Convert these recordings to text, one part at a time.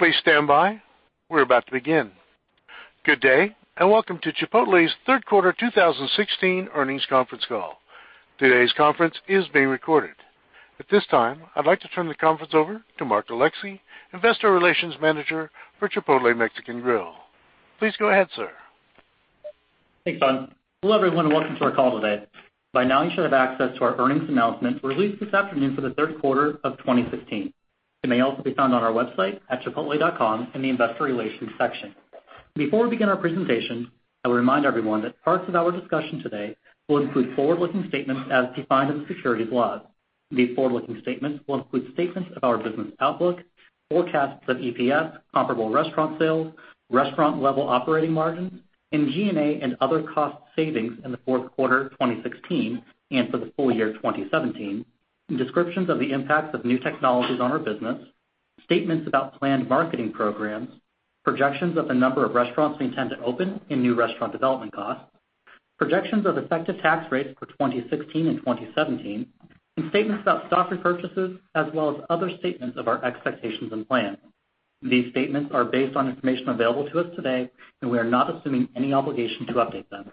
Please stand by. We're about to begin. Good day, welcome to Chipotle's third quarter 2016 earnings conference call. Today's conference is being recorded. At this time, I'd like to turn the conference over to Mark Alexee, Investor Relations Manager for Chipotle Mexican Grill. Please go ahead, sir. Thanks, Don. Hello, everyone, welcome to our call today. By now you should have access to our earnings announcement released this afternoon for the third quarter of 2016. It may also be found on our website at chipotle.com in the investor relations section. Before we begin our presentation, I will remind everyone that parts of our discussion today will include forward-looking statements as defined in the securities laws. These forward-looking statements will include statements of our business outlook, forecasts of EPS, comparable restaurant sales, restaurant-level operating margins, and G&A and other cost savings in the fourth quarter 2016 and for the full year 2017, and descriptions of the impacts of new technologies on our business, statements about planned marketing programs, projections of the number of restaurants we intend to open and new restaurant development costs, projections of effective tax rates for 2016 and 2017, and statements about stock repurchases, as well as other statements of our expectations and plans. These statements are based on information available to us today, we are not assuming any obligation to update them.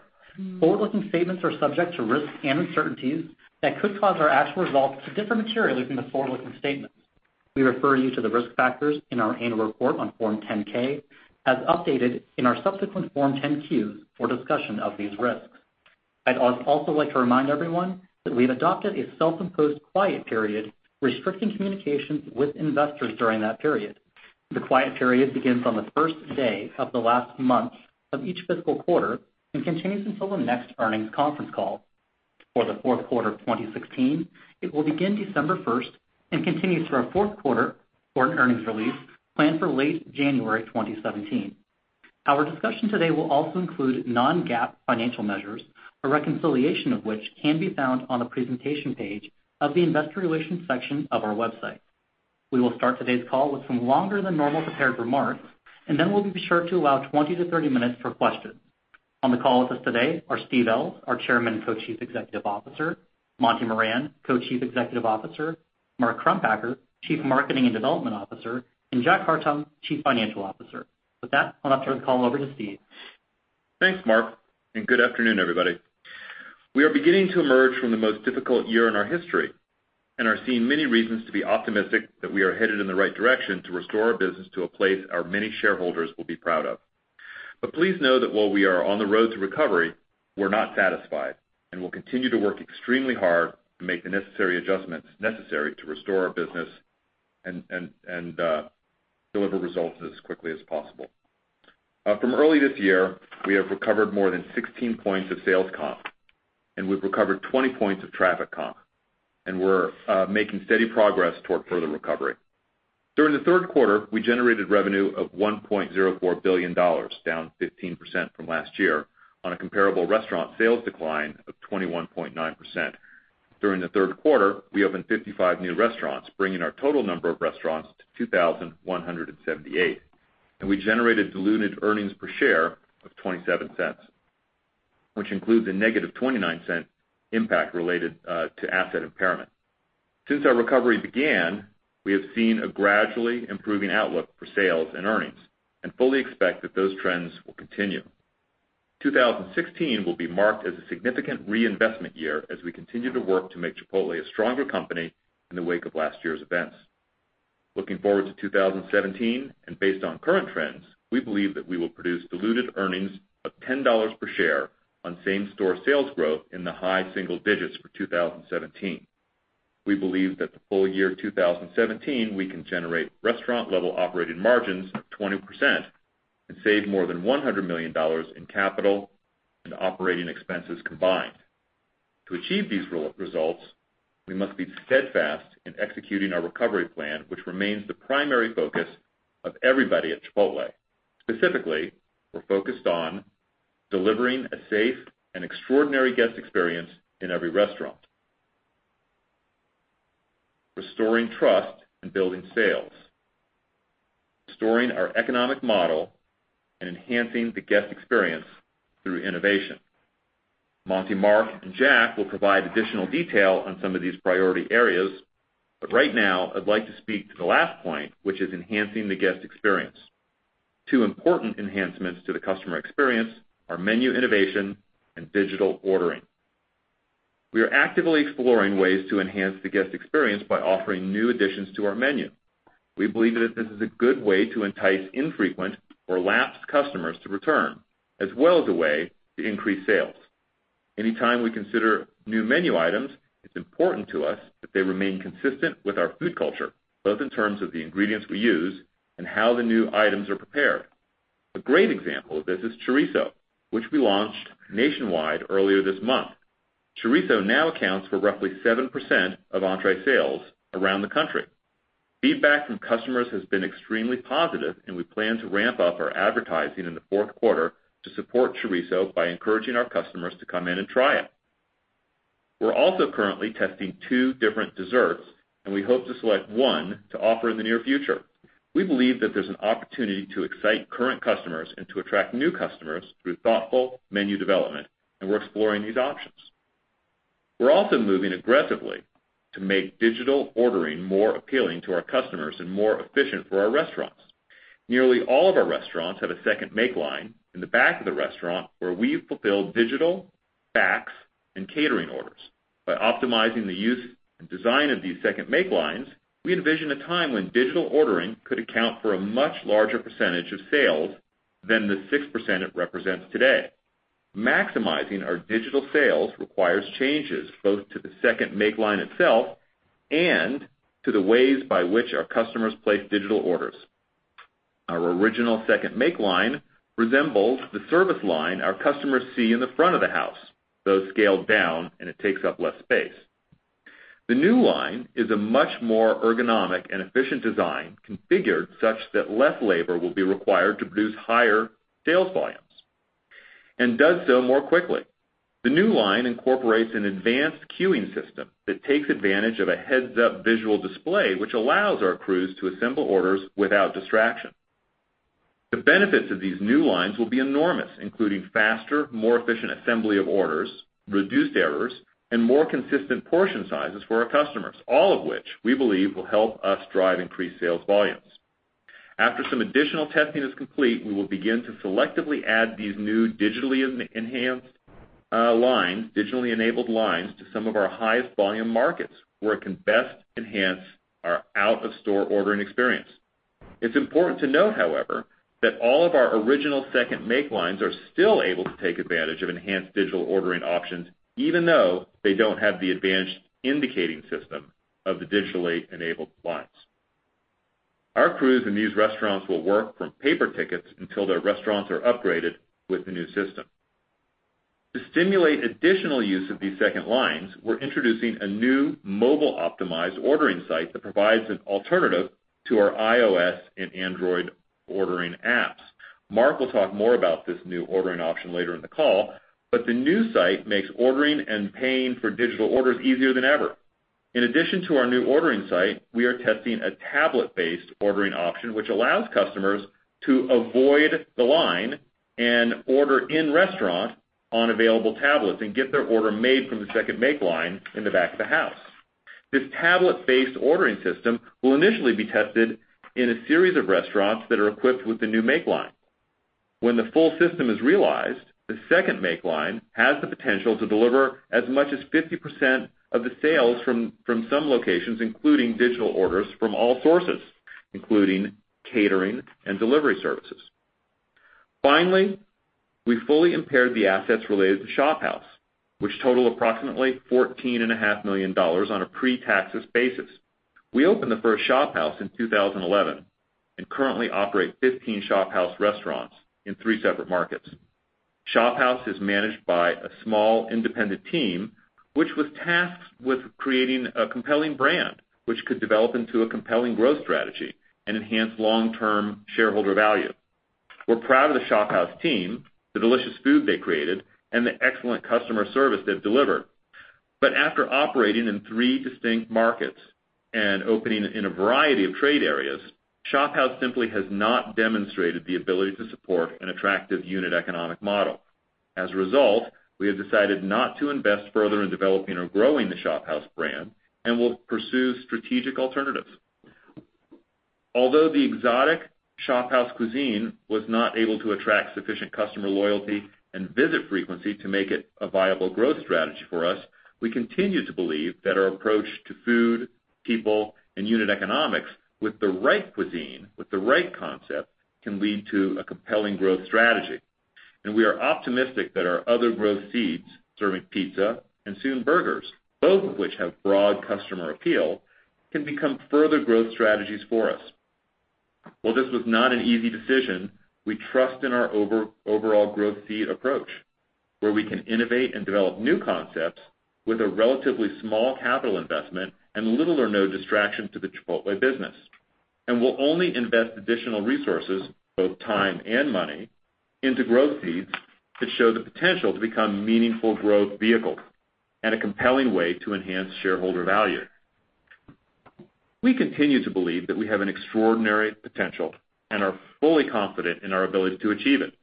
Forward-looking statements are subject to risks and uncertainties that could cause our actual results to differ materially from the forward-looking statements. We refer you to the risk factors in our annual report on Form 10-K as updated in our subsequent Form 10-Qs for discussion of these risks. I'd also like to remind everyone that we've adopted a self-imposed quiet period restricting communications with investors during that period. The quiet period begins on the first day of the last month of each fiscal quarter and continues until the next earnings conference call. For the fourth quarter of 2016, it will begin December 1st and continue through our fourth quarter for an earnings release planned for late January 2017. Our discussion today will also include non-GAAP financial measures, a reconciliation of which can be found on the presentation page of the investor relations section of our website. We will start today's call with some longer than normal prepared remarks, then we'll be sure to allow 20 to 30 minutes for questions. On the call with us today are Steve Ells, our Chairman and Co-Chief Executive Officer, Monty Moran, Co-Chief Executive Officer, Mark Crumpacker, Chief Marketing and Development Officer, and Jack Hartung, Chief Financial Officer. With that, I'll now turn the call over to Steve. Thanks, Mark, good afternoon, everybody. We are beginning to emerge from the most difficult year in our history and are seeing many reasons to be optimistic that we are headed in the right direction to restore our business to a place our many shareholders will be proud of. Please know that while we are on the road to recovery, we're not satisfied and will continue to work extremely hard to make the necessary adjustments necessary to restore our business and deliver results as quickly as possible. From early this year, we have recovered more than 16 points of sales comp, we've recovered 20 points of traffic comp, we're making steady progress toward further recovery. During the third quarter, we generated revenue of $1.04 billion, down 15% from last year on a comparable restaurant sales decline of 21.9%. During the third quarter, we opened 55 new restaurants, bringing our total number of restaurants to 2,178. We generated diluted earnings per share of $0.27, which includes a negative $0.29 impact related to asset impairment. Since our recovery began, we have seen a gradually improving outlook for sales and earnings and fully expect that those trends will continue. 2016 will be marked as a significant reinvestment year as we continue to work to make Chipotle a stronger company in the wake of last year's events. Looking forward to 2017 and based on current trends, we believe that we will produce diluted earnings of $10 per share on same-store sales growth in the high single digits for 2017. We believe that the full year 2017, we can generate restaurant level operating margins of 20% and save more than $100 million in capital and operating expenses combined. To achieve these results, we must be steadfast in executing our recovery plan, which remains the primary focus of everybody at Chipotle. Specifically, we're focused on delivering a safe and extraordinary guest experience in every restaurant, restoring trust and building sales, restoring our economic model, and enhancing the guest experience through innovation. Monty, Mark, and Jack will provide additional detail on some of these priority areas, right now I'd like to speak to the last point, which is enhancing the guest experience. Two important enhancements to the customer experience are menu innovation and digital ordering. We are actively exploring ways to enhance the guest experience by offering new additions to our menu. We believe that this is a good way to entice infrequent or lapsed customers to return, as well as a way to increase sales. Anytime we consider new menu items, it's important to us that they remain consistent with our food culture, both in terms of the ingredients we use and how the new items are prepared. A great example of this is chorizo, which we launched nationwide earlier this month. Chorizo now accounts for roughly 7% of entree sales around the country. Feedback from customers has been extremely positive, and we plan to ramp up our advertising in the fourth quarter to support chorizo by encouraging our customers to come in and try it. We're also currently testing two different desserts, and we hope to select one to offer in the near future. We believe that there's an opportunity to excite current customers and to attract new customers through thoughtful menu development, and we're exploring these options. We're also moving aggressively to make digital ordering more appealing to our customers and more efficient for our restaurants. Nearly all of our restaurants have a second make line in the back of the restaurant where we fulfill digital, fax, and catering orders. By optimizing the use and design of these second make lines, we envision a time when digital ordering could account for a much larger percentage of sales than the 6% it represents today. Maximizing our digital sales requires changes both to the second make line itself and to the ways by which our customers place digital orders. Our original second make line resembles the service line our customers see in the front of the house, though scaled down, and it takes up less space. The new line is a much more ergonomic and efficient design configured such that less labor will be required to produce higher sales volumes, and does so more quickly. The new line incorporates an advanced queuing system that takes advantage of a heads-up visual display, which allows our crews to assemble orders without distraction. The benefits of these new lines will be enormous, including faster, more efficient assembly of orders, reduced errors, and more consistent portion sizes for our customers, all of which we believe will help us drive increased sales volumes. After some additional testing is complete, we will begin to selectively add these new digitally enabled lines to some of our highest volume markets where it can best enhance our out-of-store ordering experience. It's important to note, however, that all of our original second make lines are still able to take advantage of enhanced digital ordering options, even though they don't have the advanced indicating system of the digitally enabled lines. Our crews in these restaurants will work from paper tickets until their restaurants are upgraded with the new system. To stimulate additional use of these second lines, we're introducing a new mobile-optimized ordering site that provides an alternative to our iOS and Android ordering apps. Mark will talk more about this new ordering option later in the call, but the new site makes ordering and paying for digital orders easier than ever. In addition to our new ordering site, we are testing a tablet-based ordering option, which allows customers to avoid the line and order in-restaurant on available tablets and get their order made from the second make line in the back of the house. This tablet-based ordering system will initially be tested in a series of restaurants that are equipped with the new make line. When the full system is realized, the second make line has the potential to deliver as much as 50% of the sales from some locations, including digital orders from all sources, including catering and delivery services. Finally, we fully impaired the assets related to ShopHouse, which total approximately $14.5 million on a pre-tax basis. We opened the first ShopHouse in 2011 and currently operate 15 ShopHouse restaurants in three separate markets. ShopHouse is managed by a small independent team, which was tasked with creating a compelling brand which could develop into a compelling growth strategy and enhance long-term shareholder value. We're proud of the ShopHouse team, the delicious food they created, and the excellent customer service they've delivered. After operating in three distinct markets and opening in a variety of trade areas, ShopHouse simply has not demonstrated the ability to support an attractive unit economic model. As a result, we have decided not to invest further in developing or growing the ShopHouse brand and will pursue strategic alternatives. Although the exotic ShopHouse cuisine was not able to attract sufficient customer loyalty and visit frequency to make it a viable growth strategy for us, we continue to believe that our approach to food, people, and unit economics with the right cuisine, with the right concept, can lead to a compelling growth strategy. We are optimistic that our other growth seeds, serving pizza and soon burgers, both of which have broad customer appeal, can become further growth strategies for us. While this was not an easy decision, we trust in our overall growth seed approach, where we can innovate and develop new concepts with a relatively small capital investment and little or no distraction to the Chipotle business. We'll only invest additional resources, both time and money, into growth seeds that show the potential to become meaningful growth vehicles and a compelling way to enhance shareholder value. We continue to believe that we have an extraordinary potential and are fully confident in our ability to achieve it.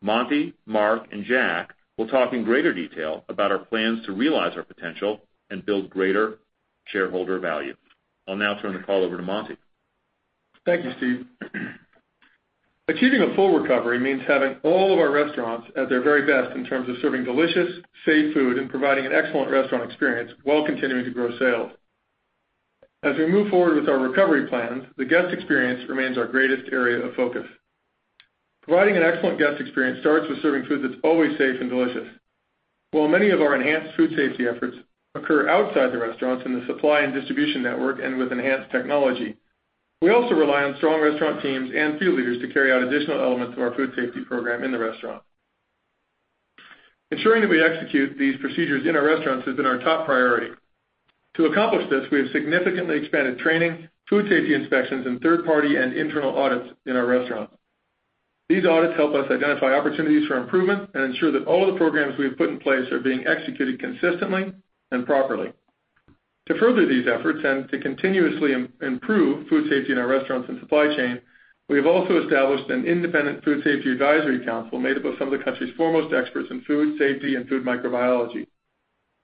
Monty, Mark, and Jack will talk in greater detail about our plans to realize our potential and build greater shareholder value. I'll now turn the call over to Monty. Thank you, Steve. Achieving a full recovery means having all of our restaurants at their very best in terms of serving delicious, safe food and providing an excellent restaurant experience while continuing to grow sales. As we move forward with our recovery plans, the guest experience remains our greatest area of focus. Providing an excellent guest experience starts with serving food that's always safe and delicious. While many of our enhanced food safety efforts occur outside the restaurants in the supply and distribution network and with enhanced technology, we also rely on strong restaurant teams and field leaders to carry out additional elements of our food safety program in the restaurant. Ensuring that we execute these procedures in our restaurants has been our top priority. To accomplish this, we have significantly expanded training, food safety inspections, and third-party and internal audits in our restaurants. These audits help us identify opportunities for improvement and ensure that all of the programs we have put in place are being executed consistently and properly. To further these efforts and to continuously improve food safety in our restaurants and supply chain, we have also established an independent food safety advisory council made up of some of the country's foremost experts in food safety and food microbiology.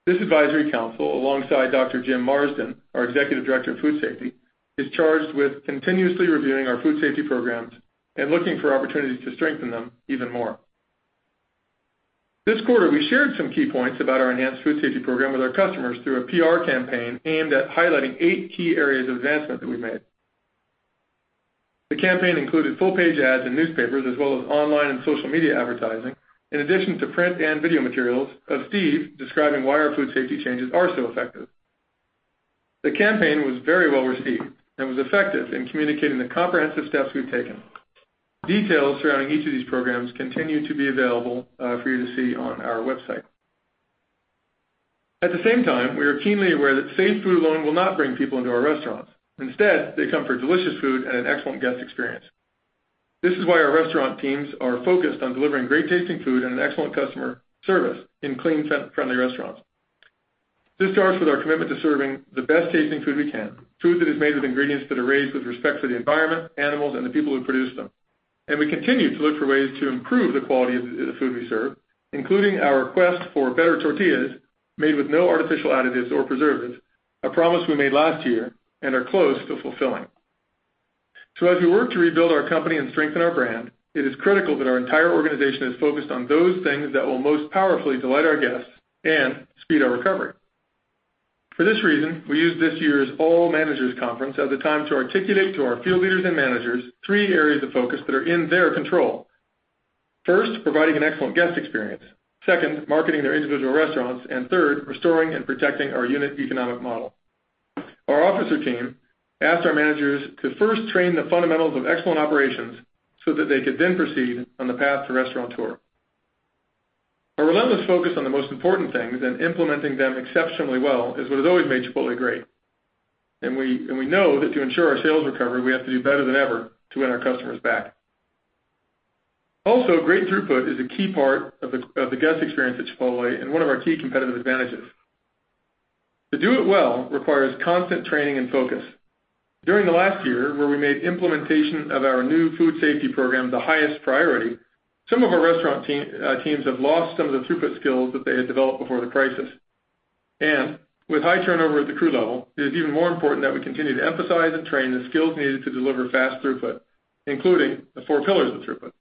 This advisory council, alongside Dr. James Marsden, our Executive Director of Food Safety, is charged with continuously reviewing our food safety programs and looking for opportunities to strengthen them even more. This quarter, we shared some key points about our enhanced food safety program with our customers through a PR campaign aimed at highlighting eight key areas of advancement that we've made. The campaign included full-page ads in newspapers as well as online and social media advertising, in addition to print and video materials of Steve describing why our food safety changes are so effective. The campaign was very well received and was effective in communicating the comprehensive steps we've taken. Details surrounding each of these programs continue to be available for you to see on our website. At the same time, we are keenly aware that safe food alone will not bring people into our restaurants. Instead, they come for delicious food and an excellent guest experience. This is why our restaurant teams are focused on delivering great-tasting food and excellent customer service in clean, friendly restaurants. This starts with our commitment to serving the best-tasting food we can, food that is made with ingredients that are raised with respect for the environment, animals, and the people who produce them. We continue to look for ways to improve the quality of the food we serve, including our quest for better tortillas made with no artificial additives or preservatives, a promise we made last year and are close to fulfilling. As we work to rebuild our company and strengthen our brand, it is critical that our entire organization is focused on those things that will most powerfully delight our guests and speed our recovery. For this reason, we used this year's All Managers Conference as a time to articulate to our field leaders and managers three areas of focus that are in their control. First, providing an excellent guest experience. Second, marketing their individual restaurants. Third, restoring and protecting our unit economic model. Our officer team asked our managers to first train the fundamentals of excellent operations so that they could then proceed on the path to Restaurateur. Our relentless focus on the most important things and implementing them exceptionally well is what has always made Chipotle great. We know that to ensure our sales recovery, we have to do better than ever to win our customers back. Also, great throughput is a key part of the guest experience at Chipotle and one of our key competitive advantages. To do it well requires constant training and focus. During the last year, where we made implementation of our new food safety program the highest priority, some of our restaurant teams have lost some of the throughput skills that they had developed before the crisis. With high turnover at the crew level, it is even more important that we continue to emphasize and train the skills needed to deliver fast throughput, including the four pillars of throughput.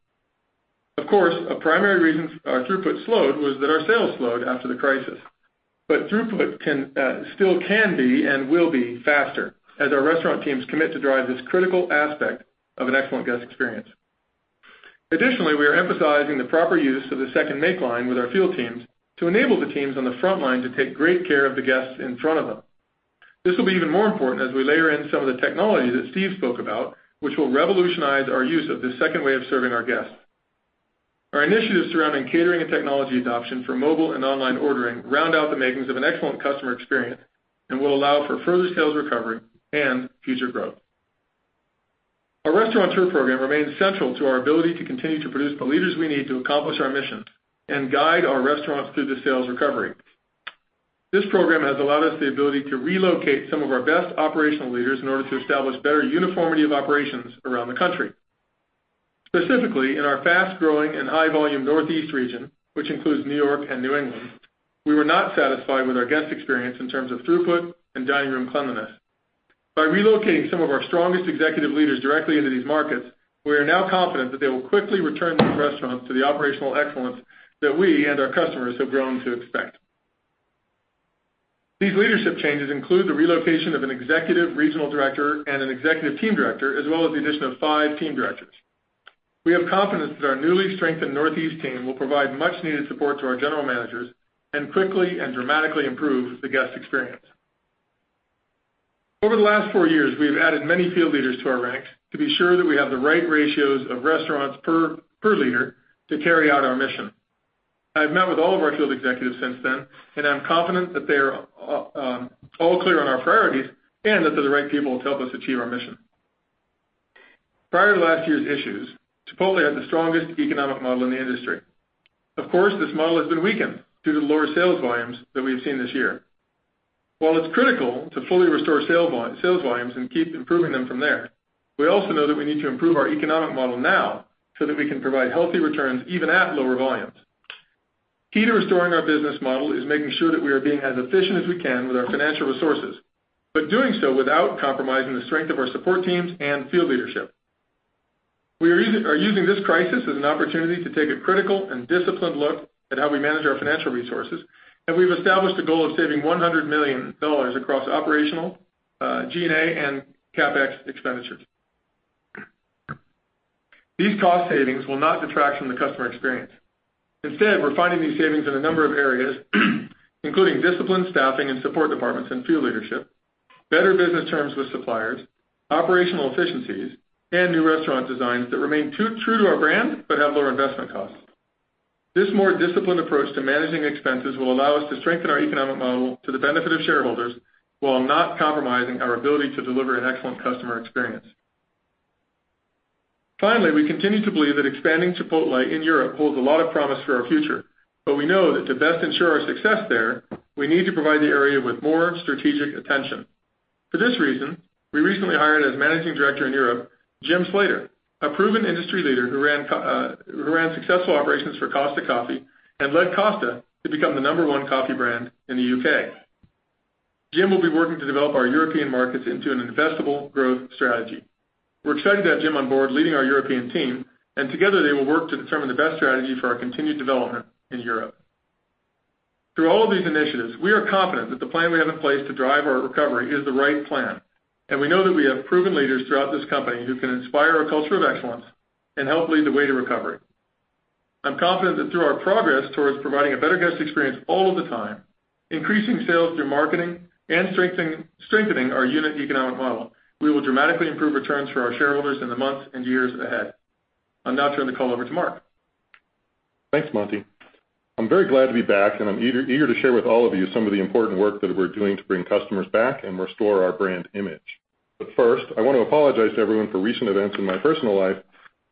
Of course, a primary reason our throughput slowed was that our sales slowed after the crisis. Throughput still can be and will be faster as our restaurant teams commit to drive this critical aspect of an excellent guest experience. Additionally, we are emphasizing the proper use of the second make line with our field teams to enable the teams on the front line to take great care of the guests in front of them. This will be even more important as we layer in some of the technology that Steve spoke about, which will revolutionize our use of this second way of serving our guests. Our initiatives surrounding catering and technology adoption for mobile and online ordering round out the makings of an excellent customer experience and will allow for further sales recovery and future growth. Our Restaurateur program remains central to our ability to continue to produce the leaders we need to accomplish our mission and guide our restaurants through the sales recovery. This program has allowed us the ability to relocate some of our best operational leaders in order to establish better uniformity of operations around the country. Specifically, in our fast-growing and high-volume Northeast region, which includes New York and New England, we were not satisfied with our guest experience in terms of throughput and dining room cleanliness. By relocating some of our strongest executive leaders directly into these markets, we are now confident that they will quickly return these restaurants to the operational excellence that we and our customers have grown to expect. These leadership changes include the relocation of an executive regional director and an executive team director, as well as the addition of five team directors. We have confidence that our newly strengthened Northeast team will provide much-needed support to our general managers and quickly and dramatically improve the guest experience. Over the last four years, we've added many field leaders to our ranks to be sure that we have the right ratios of restaurants per leader to carry out our mission. I've met with all of our field executives since then. I'm confident that they are all clear on our priorities and that they're the right people to help us achieve our mission. Prior to last year's issues, Chipotle had the strongest economic model in the industry. Of course, this model has been weakened due to lower sales volumes that we've seen this year. While it's critical to fully restore sales volumes and keep improving them from there, we also know that we need to improve our economic model now so that we can provide healthy returns even at lower volumes. Key to restoring our business model is making sure that we are being as efficient as we can with our financial resources, but doing so without compromising the strength of our support teams and field leadership. We are using this crisis as an opportunity to take a critical and disciplined look at how we manage our financial resources, and we've established a goal of saving $100 million across operational, G&A, and CapEx expenditures. These cost savings will not detract from the customer experience. We're finding these savings in a number of areas, including disciplined staffing and support departments and field leadership, better business terms with suppliers, operational efficiencies, and new restaurant designs that remain true to our brand but have lower investment costs. This more disciplined approach to managing expenses will allow us to strengthen our economic model to the benefit of shareholders while not compromising our ability to deliver an excellent customer experience. We continue to believe that expanding Chipotle in Europe holds a lot of promise for our future, we know that to best ensure our success there, we need to provide the area with more strategic attention. For this reason, we recently hired as managing director in Europe, Jim Slater, a proven industry leader who ran successful operations for Costa Coffee and led Costa to become the number one coffee brand in the U.K. Jim will be working to develop our European markets into an investable growth strategy. We're excited to have Jim on board leading our European team, together they will work to determine the best strategy for our continued development in Europe. Through all of these initiatives, we are confident that the plan we have in place to drive our recovery is the right plan, we know that we have proven leaders throughout this company who can inspire a culture of excellence and help lead the way to recovery. I'm confident that through our progress towards providing a better guest experience all of the time, increasing sales through marketing, and strengthening our unit economic model, we will dramatically improve returns for our shareholders in the months and years ahead. I'll now turn the call over to Mark. Thanks, Monty. I'm very glad to be back, I'm eager to share with all of you some of the important work that we're doing to bring customers back and restore our brand image. First, I want to apologize to everyone for recent events in my personal life.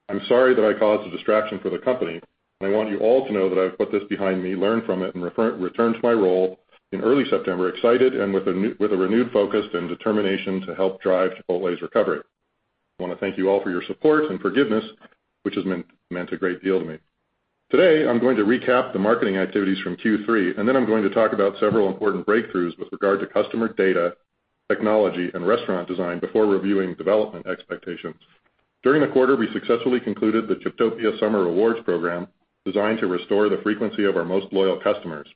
I'm sorry that I caused a distraction for the company, I want you all to know that I've put this behind me, learned from it, returned to my role in early September, excited and with a renewed focus and determination to help drive Chipotle's recovery. I want to thank you all for your support and forgiveness, which has meant a great deal to me. Today, I'm going to recap the marketing activities from Q3, then I'm going to talk about several important breakthroughs with regard to customer data, technology, and restaurant design before reviewing development expectations. During the quarter, we successfully concluded the Chiptopia Summer Rewards program, designed to restore the frequency of our most loyal customers.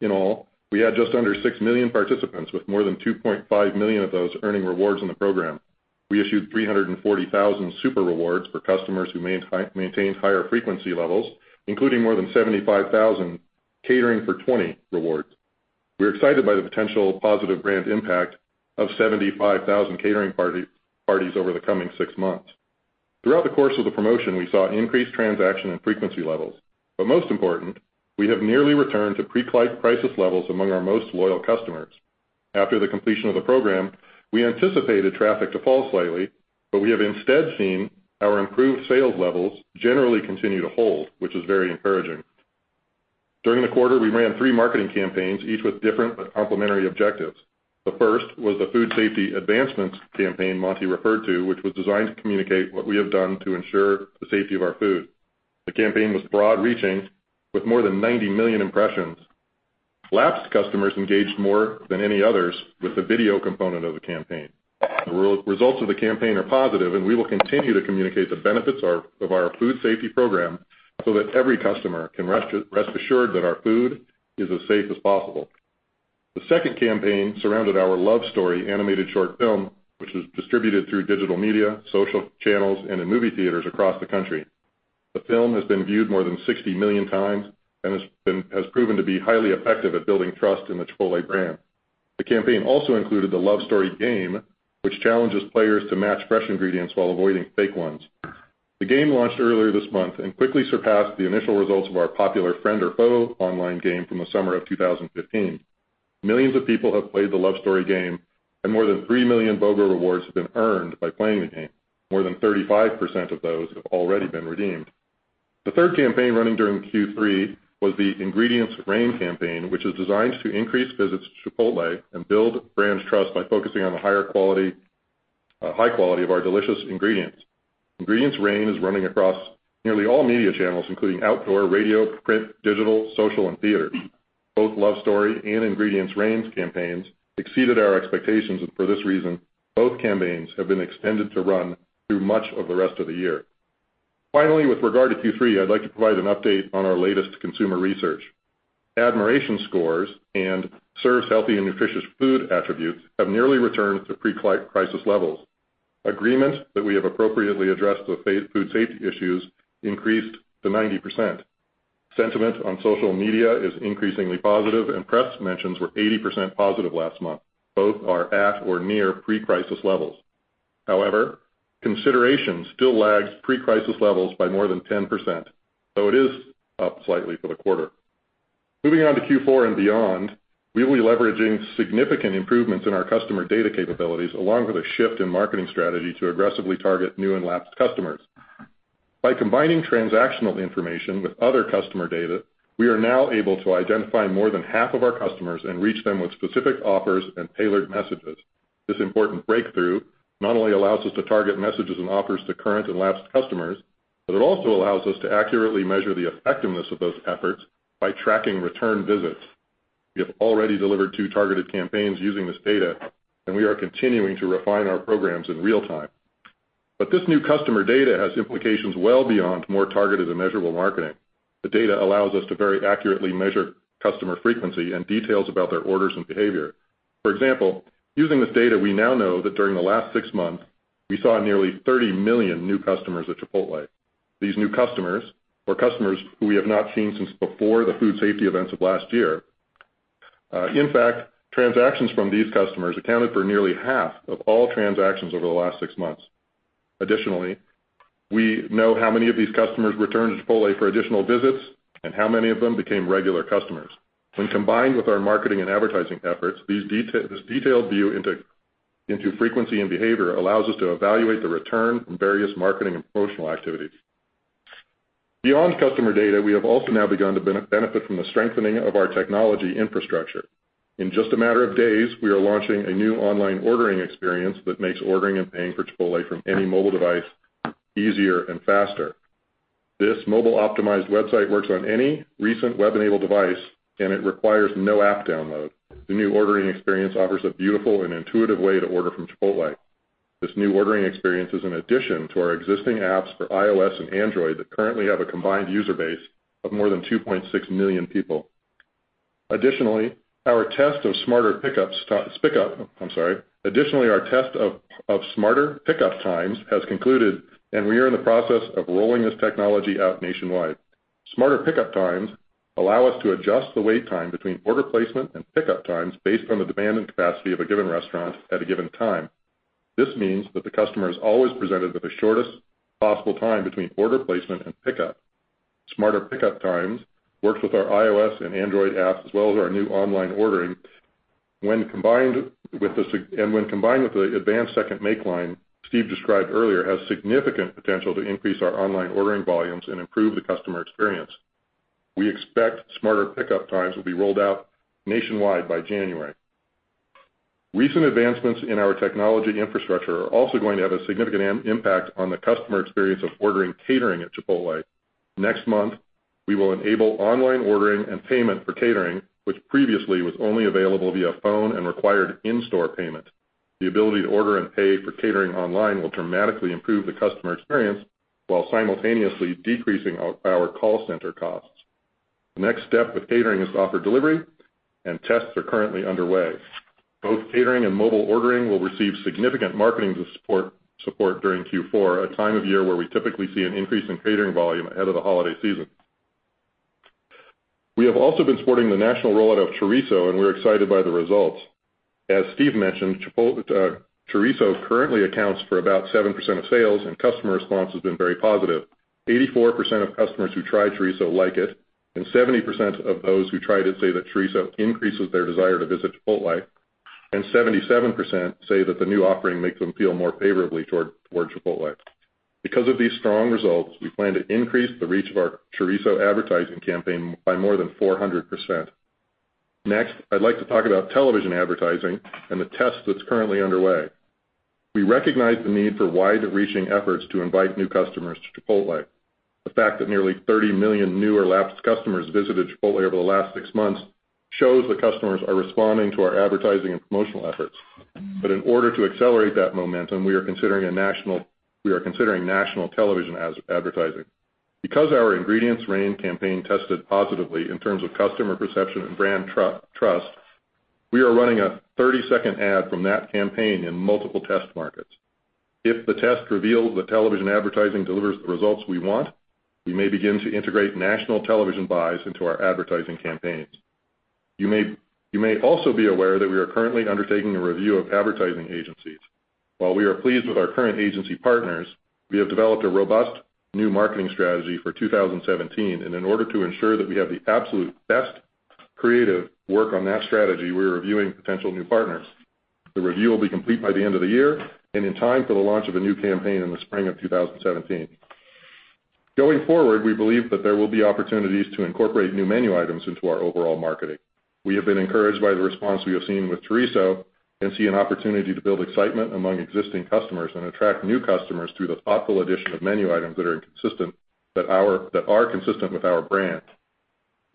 In all, we had just under 6 million participants, with more than 2.5 million of those earning rewards in the program. We issued 340,000 super rewards for customers who maintained higher frequency levels, including more than 75,000 Catering for 20 rewards. We're excited by the potential positive brand impact of 75,000 catering parties over the coming 6 months. Throughout the course of the promotion, we saw increased transaction and frequency levels, most important, we have nearly returned to pre-crisis levels among our most loyal customers. After the completion of the program, we anticipated traffic to fall slightly, we have instead seen our improved sales levels generally continue to hold, which is very encouraging. During the quarter, we ran three marketing campaigns, each with different but complementary objectives. The first was the food safety advancements campaign Monty referred to, which was designed to communicate what we have done to ensure the safety of our food. The campaign was broad-reaching with more than 90 million impressions. Lapsed customers engaged more than any others with the video component of the campaign. The results of the campaign are positive, we will continue to communicate the benefits of our food safety program so that every customer can rest assured that our food is as safe as possible. The second campaign surrounded our Love Story animated short film, which was distributed through digital media, social channels, and in movie theaters across the country. The film has been viewed more than 60 million times, has proven to be highly effective at building trust in the Chipotle brand. The campaign also included the Love Story game, which challenges players to match fresh ingredients while avoiding fake ones. The game launched earlier this month, quickly surpassed the initial results of our popular Friend or Faux? online game from the summer of 2015. Millions of people have played the Love Story game, more than 3 million BOGO rewards have been earned by playing the game. More than 35% of those have already been redeemed. The third campaign running during Q3 was the Ingredients Reign campaign, which is designed to increase visits to Chipotle and build brand trust by focusing on the high quality of our delicious ingredients. Ingredients Reign is running across nearly all media channels, including outdoor, radio, print, digital, social, and theater. Both Love Story and Ingredients Reign campaigns exceeded our expectations, for this reason, both campaigns have been extended to run through much of the rest of the year. Finally, with regard to Q3, I'd like to provide an update on our latest consumer research. Admiration scores and serves healthy and nutritious food attributes have nearly returned to pre-crisis levels. Agreement that we have appropriately addressed the food safety issues increased to 90%. Sentiment on social media is increasingly positive, press mentions were 80% positive last month. Both are at or near pre-crisis levels. Consideration still lags pre-crisis levels by more than 10%, though it is up slightly for the quarter. Moving on to Q4 and beyond, we'll be leveraging significant improvements in our customer data capabilities along with a shift in marketing strategy to aggressively target new and lapsed customers. By combining transactional information with other customer data, we are now able to identify more than half of our customers and reach them with specific offers and tailored messages. This important breakthrough not only allows us to target messages and offers to current and lapsed customers, but it also allows us to accurately measure the effectiveness of those efforts by tracking return visits. We have already delivered 2 targeted campaigns using this data. We are continuing to refine our programs in real time. This new customer data has implications well beyond more targeted and measurable marketing. The data allows us to very accurately measure customer frequency and details about their orders and behavior. For example, using this data, we now know that during the last 6 months, we saw nearly 30 million new customers at Chipotle. These new customers were customers who we have not seen since before the food safety events of last year. In fact, transactions from these customers accounted for nearly half of all transactions over the last 6 months. Additionally, we know how many of these customers returned to Chipotle for additional visits and how many of them became regular customers. When combined with our marketing and advertising efforts, this detailed view into frequency and behavior allows us to evaluate the return from various marketing and promotional activities. Beyond customer data, we have also now begun to benefit from the strengthening of our technology infrastructure. In just a matter of days, we are launching a new online ordering experience that makes ordering and paying for Chipotle from any mobile device easier and faster. This mobile-optimized website works on any recent web-enabled device. It requires no app download. The new ordering experience offers a beautiful and intuitive way to order from Chipotle. This new ordering experience is an addition to our existing apps for iOS and Android that currently have a combined user base of more than 2.6 million people. Additionally, our test of Smarter Pickup Times has concluded. We are in the process of rolling this technology out nationwide. Smarter Pickup Times allow us to adjust the wait time between order placement and pickup times based on the demand and capacity of a given restaurant at a given time. This means that the customer is always presented with the shortest possible time between order placement and pickup. Smarter Pickup Times works with our iOS and Android apps, as well as our new online ordering. When combined with the advanced second make line Steve described earlier, has significant potential to increase our online ordering volumes and improve the customer experience. We expect Smarter Pickup Times will be rolled out nationwide by January. Recent advancements in our technology infrastructure are also going to have a significant impact on the customer experience of ordering catering at Chipotle. Next month, we will enable online ordering and payment for catering, which previously was only available via phone and required in-store payment. The ability to order and pay for catering online will dramatically improve the customer experience while simultaneously decreasing our call center costs. The next step with catering is offer delivery. Tests are currently underway. Both catering and mobile ordering will receive significant marketing support during Q4, a time of year where we typically see an increase in catering volume ahead of the holiday season. We have also been supporting the national rollout of chorizo, and we're excited by the results. As Steve mentioned, chorizo currently accounts for about 7% of sales, and customer response has been very positive. 84% of customers who try chorizo like it, and 70% of those who try it say that chorizo increases their desire to visit Chipotle, and 77% say that the new offering makes them feel more favorably towards Chipotle. Because of these strong results, we plan to increase the reach of our chorizo advertising campaign by more than 400%. Next, I'd like to talk about television advertising and the test that's currently underway. We recognize the need for wide-reaching efforts to invite new customers to Chipotle. The fact that nearly 30 million new or lapsed customers visited Chipotle over the last six months shows that customers are responding to our advertising and promotional efforts. In order to accelerate that momentum, we are considering national television advertising. Because our Ingredients Reign campaign tested positively in terms of customer perception and brand trust, we are running a 30-second ad from that campaign in multiple test markets. If the test reveals that television advertising delivers the results we want, we may begin to integrate national television buys into our advertising campaigns. You may also be aware that we are currently undertaking a review of advertising agencies. While we are pleased with our current agency partners, we have developed a robust new marketing strategy for 2017, and in order to ensure that we have the absolute best creative work on that strategy, we're reviewing potential new partners. The review will be complete by the end of the year and in time for the launch of a new campaign in the spring of 2017. Going forward, we believe that there will be opportunities to incorporate new menu items into our overall marketing. We have been encouraged by the response we have seen with chorizo and see an opportunity to build excitement among existing customers and attract new customers through the thoughtful addition of menu items that are consistent with our brand.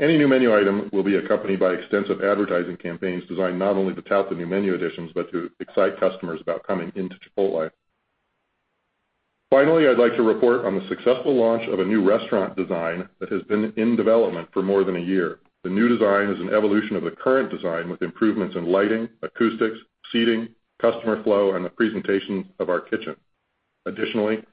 Any new menu item will be accompanied by extensive advertising campaigns designed not only to tout the new menu additions but to excite customers about coming into Chipotle. Finally, I'd like to report on the successful launch of a new restaurant design that has been in development for more than a year. The new design is an evolution of the current design, with improvements in lighting, acoustics, seating, customer flow, and the presentation of our kitchen. Additionally,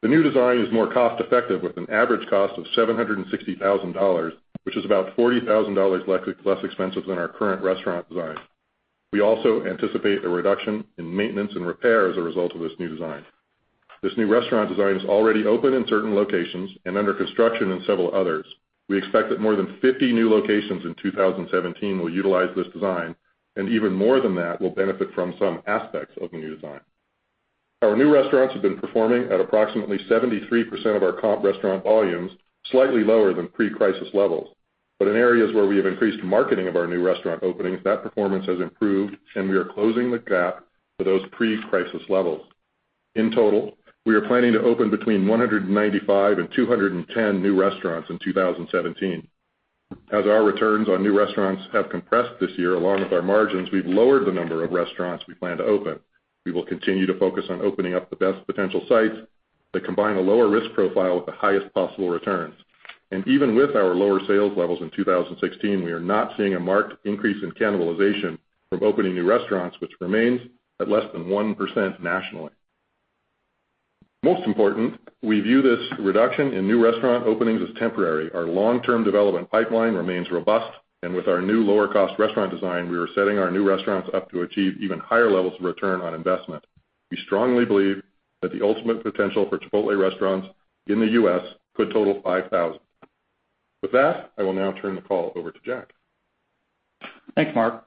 the new design is more cost-effective, with an average cost of $760,000, which is about $40,000 less expensive than our current restaurant design. We also anticipate a reduction in maintenance and repair as a result of this new design. This new restaurant design is already open in certain locations and under construction in several others. We expect that more than 50 new locations in 2017 will utilize this design, and even more than that will benefit from some aspects of the new design. Our new restaurants have been performing at approximately 73% of our comp restaurant volumes, slightly lower than pre-crisis levels. In areas where we have increased marketing of our new restaurant openings, that performance has improved, and we are closing the gap to those pre-crisis levels. In total, we are planning to open between 195 and 210 new restaurants in 2017. As our returns on new restaurants have compressed this year, along with our margins, we've lowered the number of restaurants we plan to open. We will continue to focus on opening up the best potential sites that combine a lower risk profile with the highest possible returns. Even with our lower sales levels in 2016, we are not seeing a marked increase in cannibalization from opening new restaurants, which remains at less than 1% nationally. Most important, we view this reduction in new restaurant openings as temporary. Our long-term development pipeline remains robust, and with our new lower-cost restaurant design, we are setting our new restaurants up to achieve even higher levels of return on investment. We strongly believe that the ultimate potential for Chipotle restaurants in the U.S. could total 5,000. With that, I will now turn the call over to Jack. Thanks, Mark.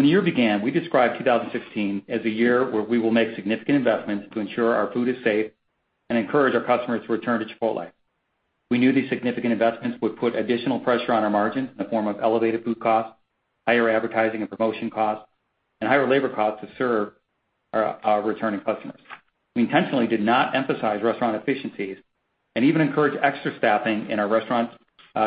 When the year began, we described 2016 as a year where we will make significant investments to ensure our food is safe and encourage our customers to return to Chipotle. We knew these significant investments would put additional pressure on our margins in the form of elevated food costs, higher advertising and promotion costs, and higher labor costs to serve our returning customers. We intentionally did not emphasize restaurant efficiencies and even encouraged extra staffing in our restaurants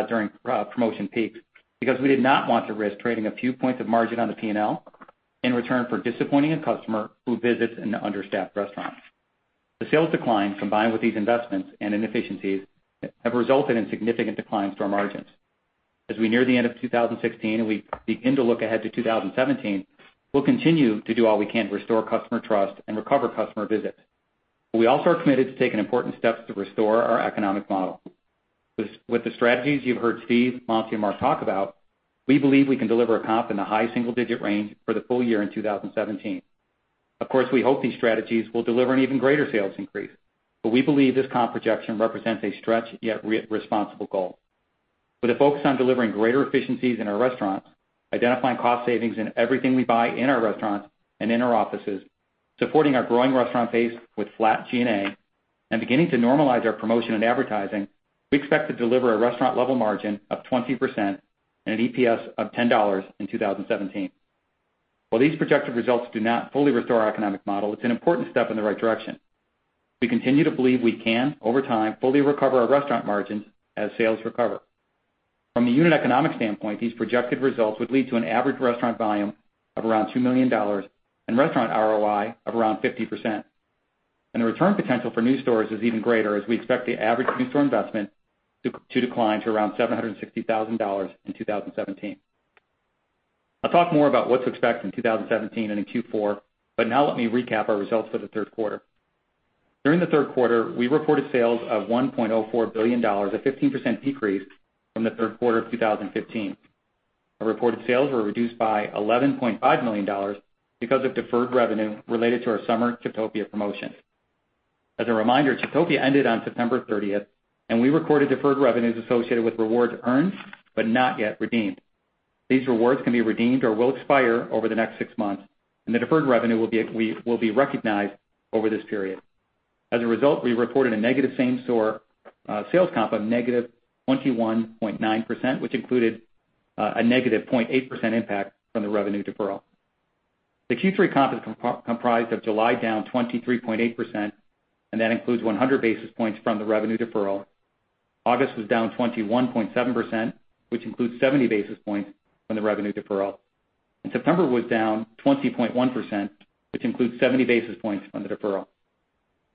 during promotion peaks, because we did not want to risk trading a few points of margin on the P&L in return for disappointing a customer who visits an understaffed restaurant. The sales decline, combined with these investments and inefficiencies, have resulted in significant declines to our margins. As we near the end of 2016 and we begin to look ahead to 2017, we'll continue to do all we can to restore customer trust and recover customer visits. We also are committed to taking important steps to restore our economic model. With the strategies you've heard Steve, Monty, and Mark talk about, we believe we can deliver a comp in the high single-digit range for the full year in 2017. Of course, we hope these strategies will deliver an even greater sales increase, we believe this comp projection represents a stretch, yet responsible goal. With a focus on delivering greater efficiencies in our restaurants, identifying cost savings in everything we buy in our restaurants and in our offices, supporting our growing restaurant base with flat G&A, and beginning to normalize our promotion and advertising, we expect to deliver a restaurant level margin of 20% and an EPS of $10 in 2017. While these projected results do not fully restore our economic model, it's an important step in the right direction. We continue to believe we can, over time, fully recover our restaurant margins as sales recover. From a unit economic standpoint, these projected results would lead to an average restaurant volume of around $2 million and restaurant ROI of around 50%. The return potential for new stores is even greater, as we expect the average new store investment to decline to around $760,000 in 2017. I'll talk more about what to expect in 2017 and in Q4. Now let me recap our results for the third quarter. During the third quarter, we reported sales of $1.04 billion, a 15% decrease from the third quarter of 2015. Our reported sales were reduced by $11.5 million because of deferred revenue related to our summer Chiptopia promotion. As a reminder, Chiptopia ended on September 30th. We recorded deferred revenues associated with rewards earned but not yet redeemed. These rewards can be redeemed or will expire over the next six months. The deferred revenue will be recognized over this period. As a result, we reported a negative same-store sales comp of -21.9%, which included a -0.8% impact from the revenue deferral. The Q3 comp is comprised of July, down 23.8%. That includes 100 basis points from the revenue deferral. August was down 21.7%, which includes 70 basis points from the revenue deferral. September was down 20.1%, which includes 70 basis points from the deferral.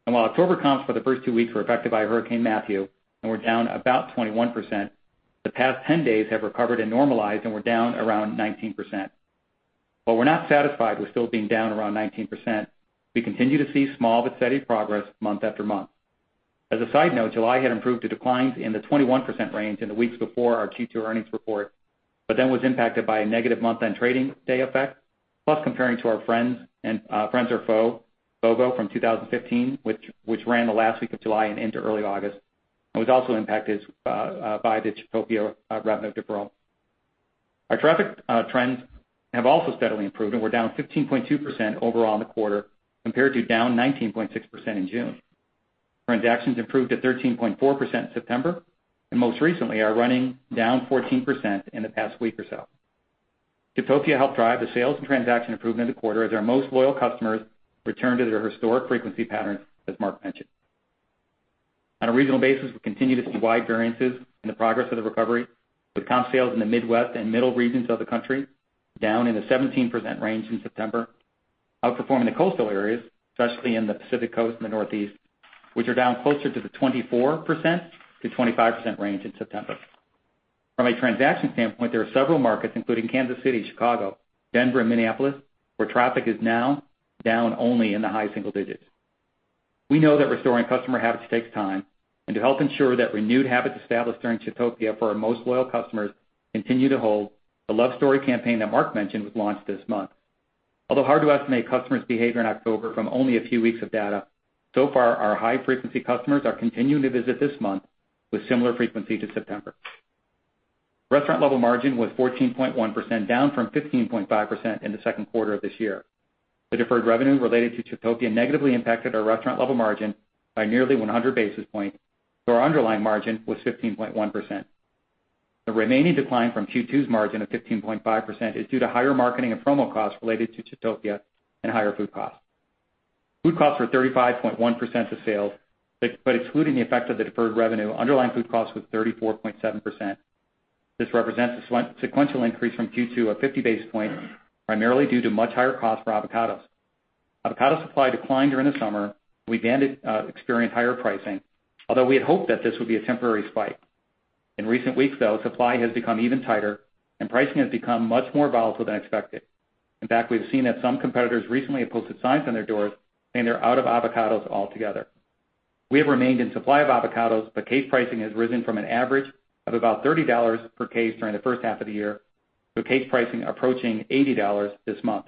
While October comps for the first two weeks were affected by Hurricane Matthew and were down about 21%, the past 10 days have recovered and normalized and were down around 19%. While we're not satisfied with still being down around 19%, we continue to see small but steady progress month after month. As a side note, July had improved to declines in the 21% range in the weeks before our Q2 earnings report. Then was impacted by a negative month-end trading day effect, plus comparing to our Friend or Faux? from 2015, which ran the last week of July and into early August and was also impacted by the Chiptopia revenue deferral. Our traffic trends have also steadily improved. Were down 15.2% overall in the quarter, compared to down 19.6% in June. Transactions improved to 13.4% in September. Most recently are running down 14% in the past week or so. Chiptopia helped drive the sales and transaction improvement in the quarter as our most loyal customers returned to their historic frequency patterns, as Mark mentioned. On a regional basis, we continue to see wide variances in the progress of the recovery, with comp sales in the Midwest and middle regions of the country down in the 17% range in September, outperforming the coastal areas, especially in the Pacific Coast and the Northeast, which are down closer to the 24%-25% range in September. From a transaction standpoint, there are several markets, including Kansas City, Chicago, Denver, and Minneapolis, where traffic is now down only in the high single digits. We know that restoring customer habits takes time. To help ensure that renewed habits established during Chiptopia for our most loyal customers continue to hold, the Love Story campaign that Mark mentioned was launched this month. Although hard to estimate customers' behavior in October from only a few weeks of data, far our high-frequency customers are continuing to visit this month with similar frequency to September. Restaurant level margin was 14.1%, down from 15.5% in the second quarter of this year. The deferred revenue related to Chiptopia negatively impacted our restaurant level margin by nearly 100 basis points. Our underlying margin was 15.1%. The remaining decline from Q2's margin of 15.5% is due to higher marketing and promo costs related to Chiptopia and higher food costs. Food costs were 35.1% of sales. Excluding the effect of the deferred revenue, underlying food costs were 34.7%. This represents a sequential increase from Q2 of 50 basis points, primarily due to much higher costs for avocados. Avocado supply declined during the summer. We experienced higher pricing, although we had hoped that this would be a temporary spike. In recent weeks, supply has become even tighter, and pricing has become much more volatile than expected. In fact, we've seen that some competitors recently have posted signs on their doors saying they're out of avocados altogether. We have remained in supply of avocados, but case pricing has risen from an average of about $30 per case during the first half of the year, to case pricing approaching $80 this month.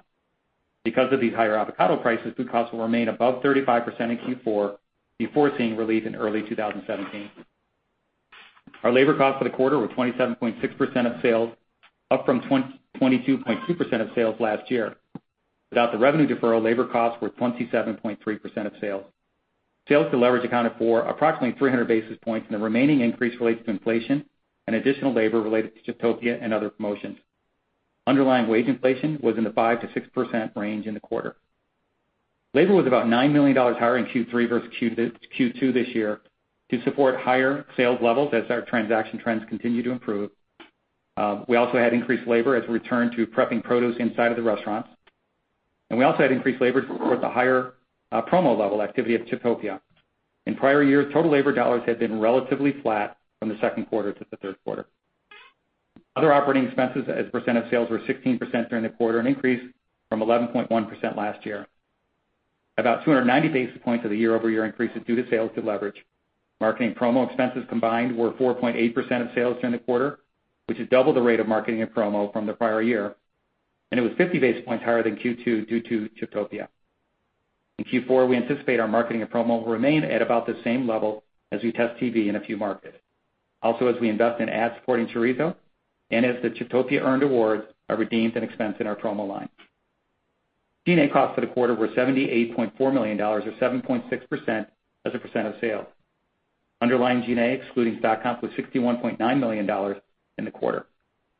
Because of these higher avocado prices, food costs will remain above 35% in Q4 before seeing relief in early 2017. Our labor costs for the quarter were 27.6% of sales, up from 22.2% of sales last year. Without the revenue deferral, labor costs were 27.3% of sales. Sales to leverage accounted for approximately 300 basis points, and the remaining increase relates to inflation and additional labor related to Chiptopia and other promotions. Underlying wage inflation was in the 5%-6% range in the quarter. Labor was about $9 million higher in Q3 versus Q2 this year to support higher sales levels as our transaction trends continue to improve. We also had increased labor as we return to prepping produce inside of the restaurants. We also had increased labor to support the higher promo level activity of Chiptopia. In prior years, total labor dollars had been relatively flat from the second quarter to the third quarter. Other operating expenses as a percent of sales were 16% during the quarter, an increase from 11.1% last year. About 290 basis points of the year-over-year increase is due to sales through leverage. Marketing promo expenses combined were 4.8% of sales during the quarter, which is double the rate of marketing and promo from the prior year, and it was 50 basis points higher than Q2 due to Chiptopia. In Q4, we anticipate our marketing and promo will remain at about the same level as we test TV in a few markets. As we invest in ad supporting chorizo, and as the Chiptopia earned awards are redeemed and expensed in our promo line. G&A costs for the quarter were $78.4 million, or 7.6% as a percent of sales. Underlying G&A, excluding stock comp, was $61.9 million in the quarter.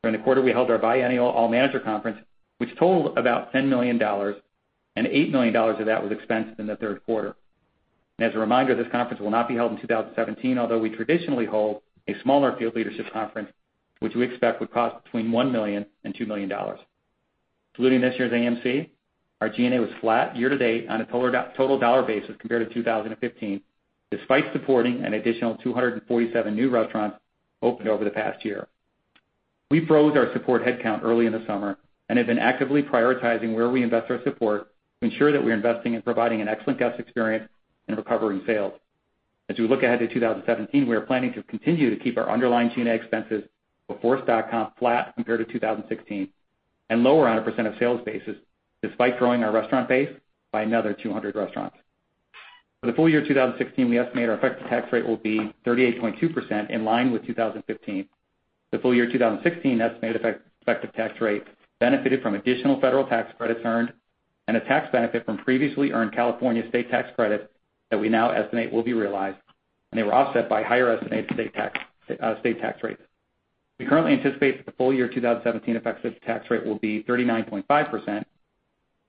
During the quarter, we held our biannual All Managers Conference, which totaled about $10 million, and $8 million of that was expensed in the third quarter. As a reminder, this conference will not be held in 2017, although we traditionally hold a smaller field leadership conference, which we expect would cost between $1 million and $2 million. Excluding this year's AMC, our G&A was flat year to date on a total dollar basis compared to 2015, despite supporting an additional 247 new restaurants opened over the past year. We froze our support headcount early in the summer and have been actively prioritizing where we invest our support to ensure that we're investing in providing an excellent guest experience and recovering sales. As we look ahead to 2017, we are planning to continue to keep our underlying G&A expenses before stock comp flat compared to 2016, and lower on a percent of sales basis, despite growing our restaurant base by another 200 restaurants. For the full year 2016, we estimate our effective tax rate will be 38.2%, in line with 2015. The full year 2016 estimated effective tax rate benefited from additional federal tax credits earned and a tax benefit from previously earned California state tax credits that we now estimate will be realized, they were offset by higher estimated state tax rates. We currently anticipate that the full year 2017 effective tax rate will be 39.5%,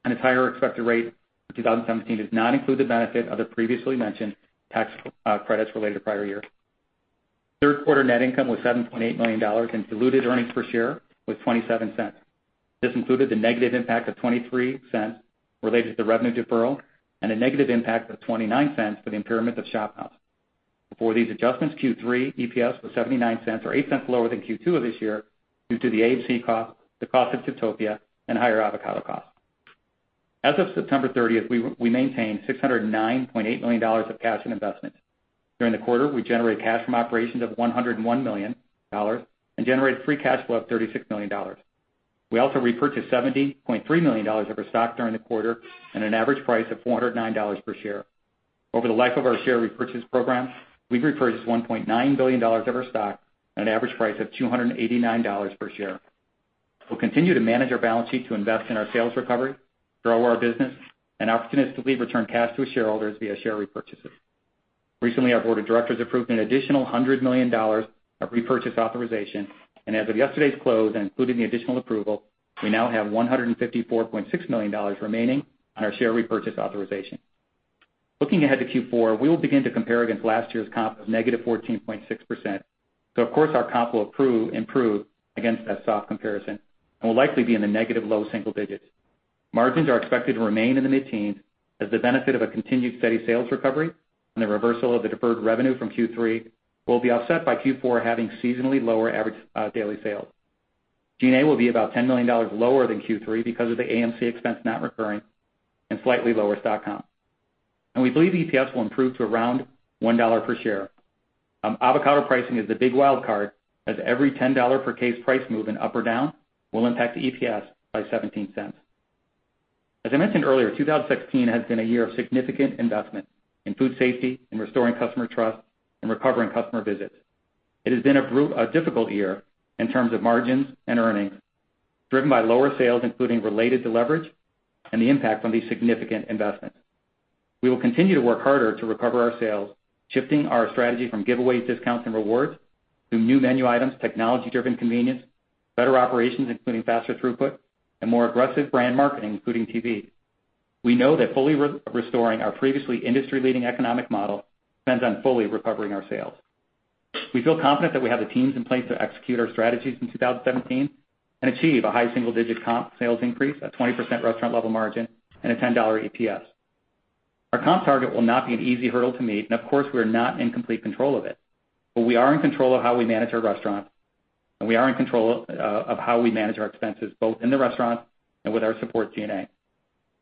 its higher expected rate for 2017 does not include the benefit of the previously mentioned tax credits related to prior years. Third quarter net income was $7.8 million, diluted earnings per share was $0.27. This included the negative impact of $0.23 related to the revenue deferral and a negative impact of $0.29 for the impairment of ShopHouse. Before these adjustments, Q3 EPS was $0.79, or $0.08 lower than Q2 of this year, due to the AMC cost, the cost of Chiptopia, and higher avocado costs. As of September 30th, we maintained $609.8 million of cash and investments. During the quarter, we generated cash from operations of $101 million and generated free cash flow of $36 million. We also repurchased $70.3 million of our stock during the quarter at an average price of $409 per share. Over the life of our share repurchase program, we've repurchased $1.9 billion of our stock at an average price of $289 per share. We'll continue to manage our balance sheet to invest in our sales recovery, grow our business, and opportunistically return cash to shareholders via share repurchases. Recently, our board of directors approved an additional $100 million of repurchase authorization, as of yesterday's close, including the additional approval, we now have $154.6 million remaining on our share repurchase authorization. Looking ahead to Q4, we will begin to compare against last year's comp of negative 14.6%. Of course, our comp will improve against that soft comparison and will likely be in the negative low single digits. Margins are expected to remain in the mid-teens as the benefit of a continued steady sales recovery and the reversal of the deferred revenue from Q3 will be offset by Q4 having seasonally lower average daily sales. G&A will be about $10 million lower than Q3 because of the AMC expense not recurring and slightly lower stock comp. We believe EPS will improve to around $1 per share. Avocado pricing is the big wild card, as every $10 per case price move in up or down will impact EPS by $0.17. As I mentioned earlier, 2016 has been a year of significant investment in food safety, in restoring customer trust, and recovering customer visits. It has been a difficult year in terms of margins and earnings, driven by lower sales, including related to leverage, and the impact from these significant investments. We will continue to work harder to recover our sales, shifting our strategy from giveaways, discounts, and rewards to new menu items, technology-driven convenience, better operations including faster throughput, and more aggressive brand marketing, including TV. We know that fully restoring our previously industry-leading economic model depends on fully recovering our sales. We feel confident that we have the teams in place to execute our strategies in 2017 and achieve a high single-digit comp sales increase, a 20% restaurant level margin, and a $10 EPS. Our comp target will not be an easy hurdle to meet, and of course, we are not in complete control of it. We are in control of how we manage our restaurants. We are in control of how we manage our expenses, both in the restaurant and with our support G&A.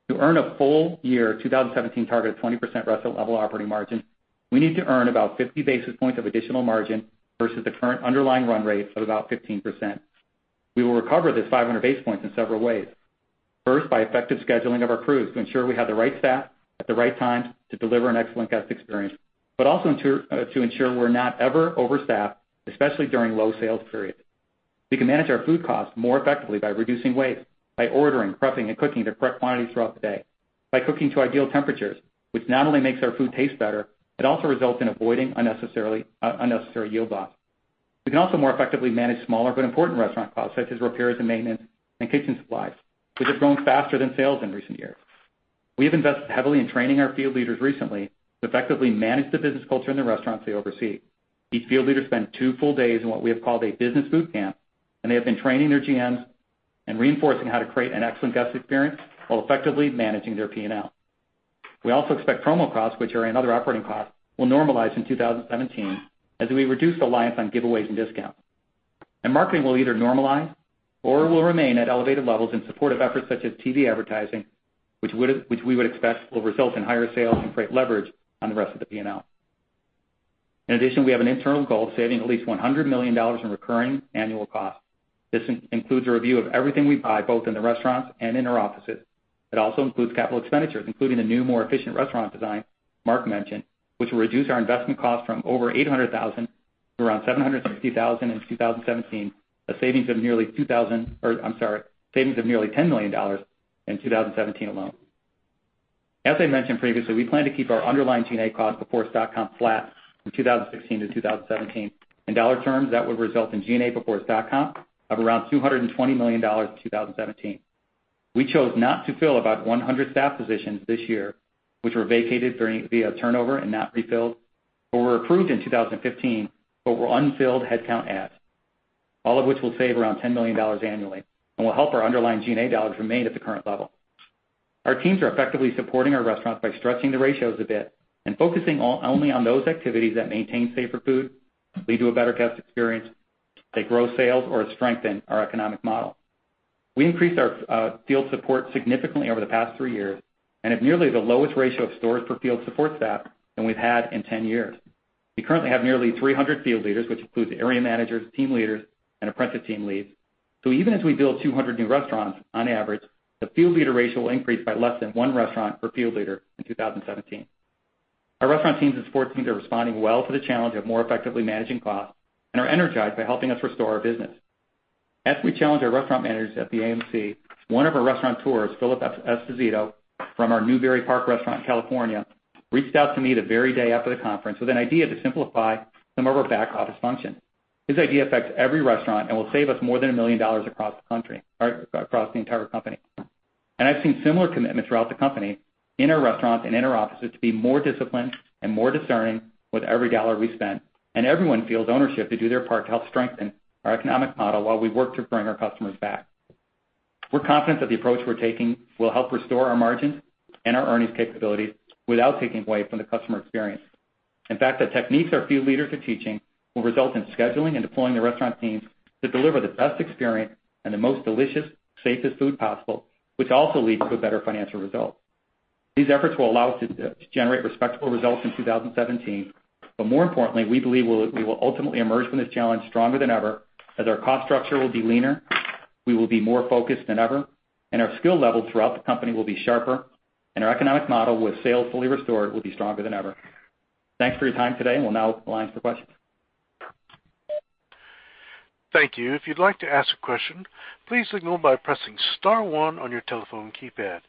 To earn a full year 2017 target of 20% restaurant level operating margin, we need to earn about 50 basis points of additional margin versus the current underlying run rate of about 15%. We will recover this 500 basis points in several ways. First, by effective scheduling of our crews to ensure we have the right staff at the right times to deliver an excellent guest experience, but also to ensure we're not ever overstaffed, especially during low sales periods. We can manage our food costs more effectively by reducing waste, by ordering, prepping, and cooking the correct quantities throughout the day, by cooking to ideal temperatures, which not only makes our food taste better, it also results in avoiding unnecessary yield loss. We can also more effectively manage smaller but important restaurant costs, such as repairs and maintenance and kitchen supplies, which have grown faster than sales in recent years. We have invested heavily in training our field leaders recently to effectively manage the business culture in the restaurants they oversee. Each field leader spent two full days in what we have called a business boot camp, and they have been training their GMs and reinforcing how to create an excellent guest experience while effectively managing their P&L. We also expect promo costs, which are another operating cost, will normalize in 2017 as we reduce reliance on giveaways and discounts. Marketing will either normalize or will remain at elevated levels in support of efforts such as TV advertising, which we would expect will result in higher sales and great leverage on the rest of the P&L. In addition, we have an internal goal of saving at least $100 million in recurring annual costs. This includes a review of everything we buy, both in the restaurants and in our offices. It also includes capital expenditures, including the new, more efficient restaurant design Mark mentioned, which will reduce our investment costs from over $800,000 to around $760,000 in 2017, a savings of nearly $10 million in 2017 alone. As I mentioned previously, we plan to keep our underlying G&A costs before stock comp flat from 2016 to 2017. In dollar terms, that would result in G&A before stock comp of around $220 million in 2017. We chose not to fill about 100 staff positions this year, which were vacated via turnover and not refilled, or were approved in 2015, but were unfilled headcount adds, all of which will save around $10 million annually and will help our underlying G&A dollars remain at the current level. Our teams are effectively supporting our restaurants by stretching the ratios a bit and focusing only on those activities that maintain safer food, lead to a better guest experience, that grow sales, or strengthen our economic model. We increased our field support significantly over the past three years and have nearly the lowest ratio of stores per field support staff than we've had in 10 years. We currently have nearly 300 field leaders, which includes area managers, team leaders, and apprentice team leads. Even as we build 200 new restaurants, on average, the field leader ratio will increase by less than one restaurant per field leader in 2017. Our restaurant teams and support teams are responding well to the challenge of more effectively managing costs and are energized by helping us restore our business. As we challenged our restaurant managers at the AMC, one of our Restaurateurs, Philip Esposito, from our Newbury Park restaurant in California, reached out to me the very day after the conference with an idea to simplify some of our back office functions. His idea affects every restaurant and will save us more than $1 million across the entire company. I've seen similar commitments throughout the company, in our restaurants and in our offices, to be more disciplined and more discerning with every dollar we spend. Everyone feels ownership to do their part to help strengthen our economic model while we work to bring our customers back. We're confident that the approach we're taking will help restore our margin and our earnings capabilities without taking away from the customer experience. In fact, the techniques our field leaders are teaching will result in scheduling and deploying the restaurant teams to deliver the best experience and the most delicious, safest food possible, which also leads to a better financial result. These efforts will allow us to generate respectable results in 2017, more importantly, we believe we will ultimately emerge from this challenge stronger than ever, as our cost structure will be leaner, we will be more focused than ever, our skill level throughout the company will be sharper, our economic model, with sales fully restored, will be stronger than ever. Thanks for your time today, we'll now open the lines for questions. Thank you. If you'd like to ask a question, please signal by pressing *1 on your telephone keypad.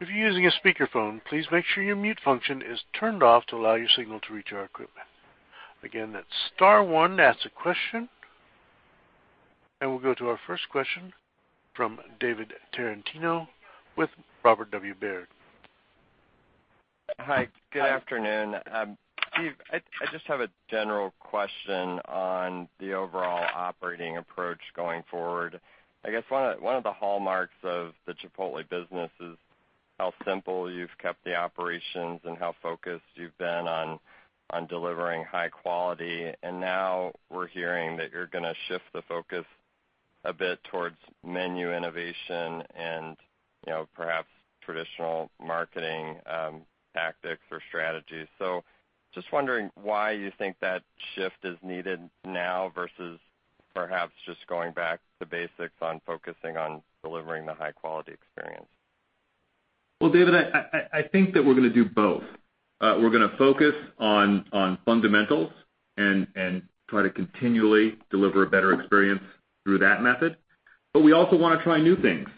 If you're using a speakerphone, please make sure your mute function is turned off to allow your signal to reach our equipment. Again, that's *1 to ask a question. We'll go to our first question from David Tarantino with Robert W. Baird. Hi. Good afternoon. Steve, I just have a general question on the overall operating approach going forward. I guess one of the hallmarks of the Chipotle business is how simple you've kept the operations and how focused you've been on delivering high quality. Now we're hearing that you're going to shift the focus a bit towards menu innovation and perhaps traditional marketing tactics or strategies. Just wondering why you think that shift is needed now versus perhaps just going back to basics on focusing on delivering the high-quality experience. Well, David, I think that we're going to do both. We're going to focus on fundamentals and try to continually deliver a better experience through that method. We also want to try new things,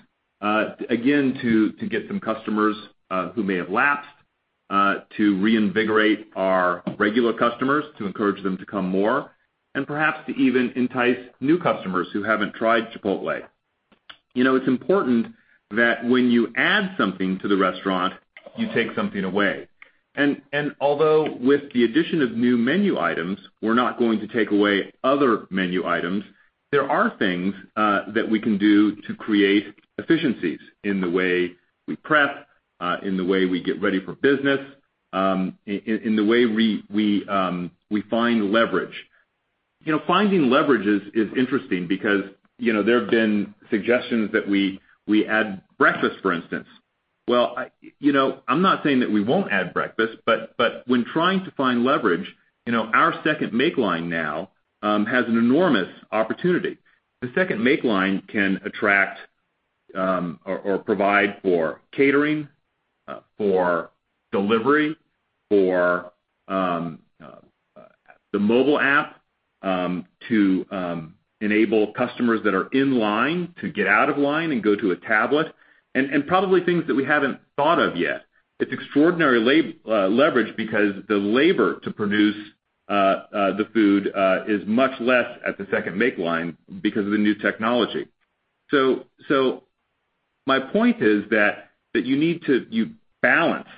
again, to get some customers who may have lapsed, to reinvigorate our regular customers, to encourage them to come more, and perhaps to even entice new customers who haven't tried Chipotle. It's important that when you add something to the restaurant, you take something away. Although with the addition of new menu items, we're not going to take away other menu items, there are things that we can do to create efficiencies in the way we prep, in the way we get ready for business In the way we find leverage. Finding leverage is interesting because there have been suggestions that we add breakfast, for instance. Well, I'm not saying that we won't add breakfast, but when trying to find leverage, our second make line now has an enormous opportunity. The second make line can attract or provide for catering, for delivery, for the mobile app to enable customers that are in line to get out of line and go to a tablet, and probably things that we haven't thought of yet. It's extraordinary leverage because the labor to produce the food is much less at the second make line because of the new technology. My point is that you need to balance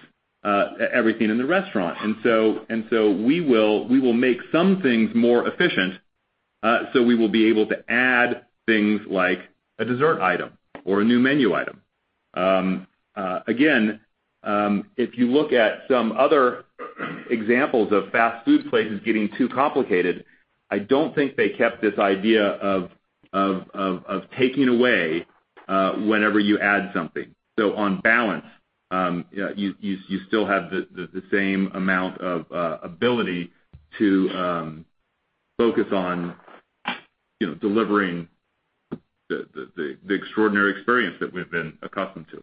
everything in the restaurant, and so we will make some things more efficient, so we will be able to add things like a dessert item or a new menu item. Again, if you look at some other examples of fast food places getting too complicated, I don't think they kept this idea of taking away whenever you add something. On balance, you still have the same amount of ability to focus on delivering the extraordinary experience that we've been accustomed to.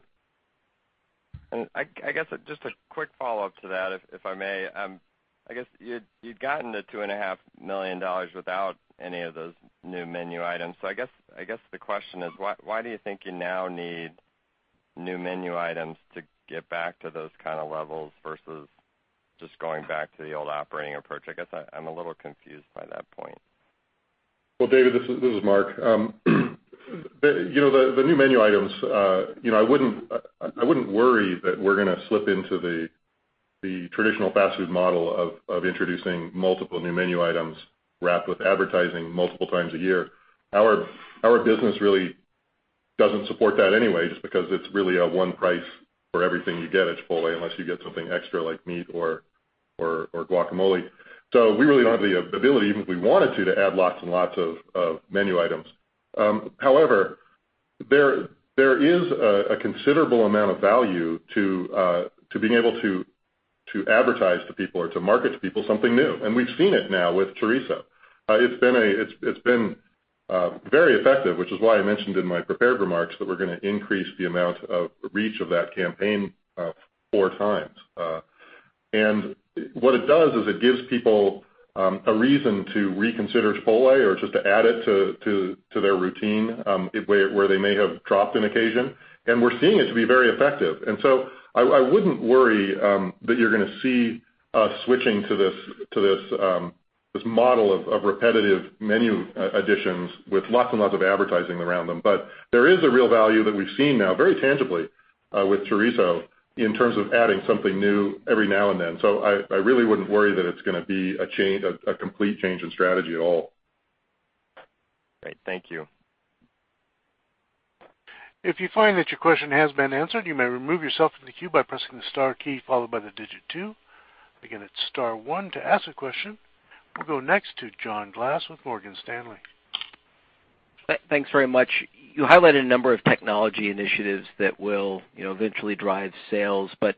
I guess just a quick follow-up to that, if I may. I guess you'd gotten the $2.5 million without any of those new menu items. I guess the question is, why do you think you now need new menu items to get back to those kind of levels versus just going back to the old operating approach? I guess I'm a little confused by that point. Well, David, this is Mark. The new menu items, I wouldn't worry that we're going to slip into the traditional fast food model of introducing multiple new menu items wrapped with advertising multiple times a year. Our business really doesn't support that anyway, just because it's really one price for everything you get at Chipotle, unless you get something extra like meat or guacamole. However, there is a considerable amount of value to being able to advertise to people or to market to people something new. We've seen it now with chorizo. It's been very effective, which is why I mentioned in my prepared remarks that we're going to increase the amount of reach of that campaign four times. What it does is it gives people a reason to reconsider Chipotle or just to add it to their routine, where they may have dropped on occasion. We're seeing it to be very effective. I wouldn't worry that you're going to see us switching to this model of repetitive menu additions with lots and lots of advertising around them. There is a real value that we've seen now very tangibly with chorizo in terms of adding something new every now and then. I really wouldn't worry that it's going to be a complete change in strategy at all. Great. Thank you. If you find that your question has been answered, you may remove yourself from the queue by pressing the star key followed by the digit two. Again, it's star one to ask a question. We'll go next to John Glass with Morgan Stanley. Thanks very much. You highlighted a number of technology initiatives that will eventually drive sales. At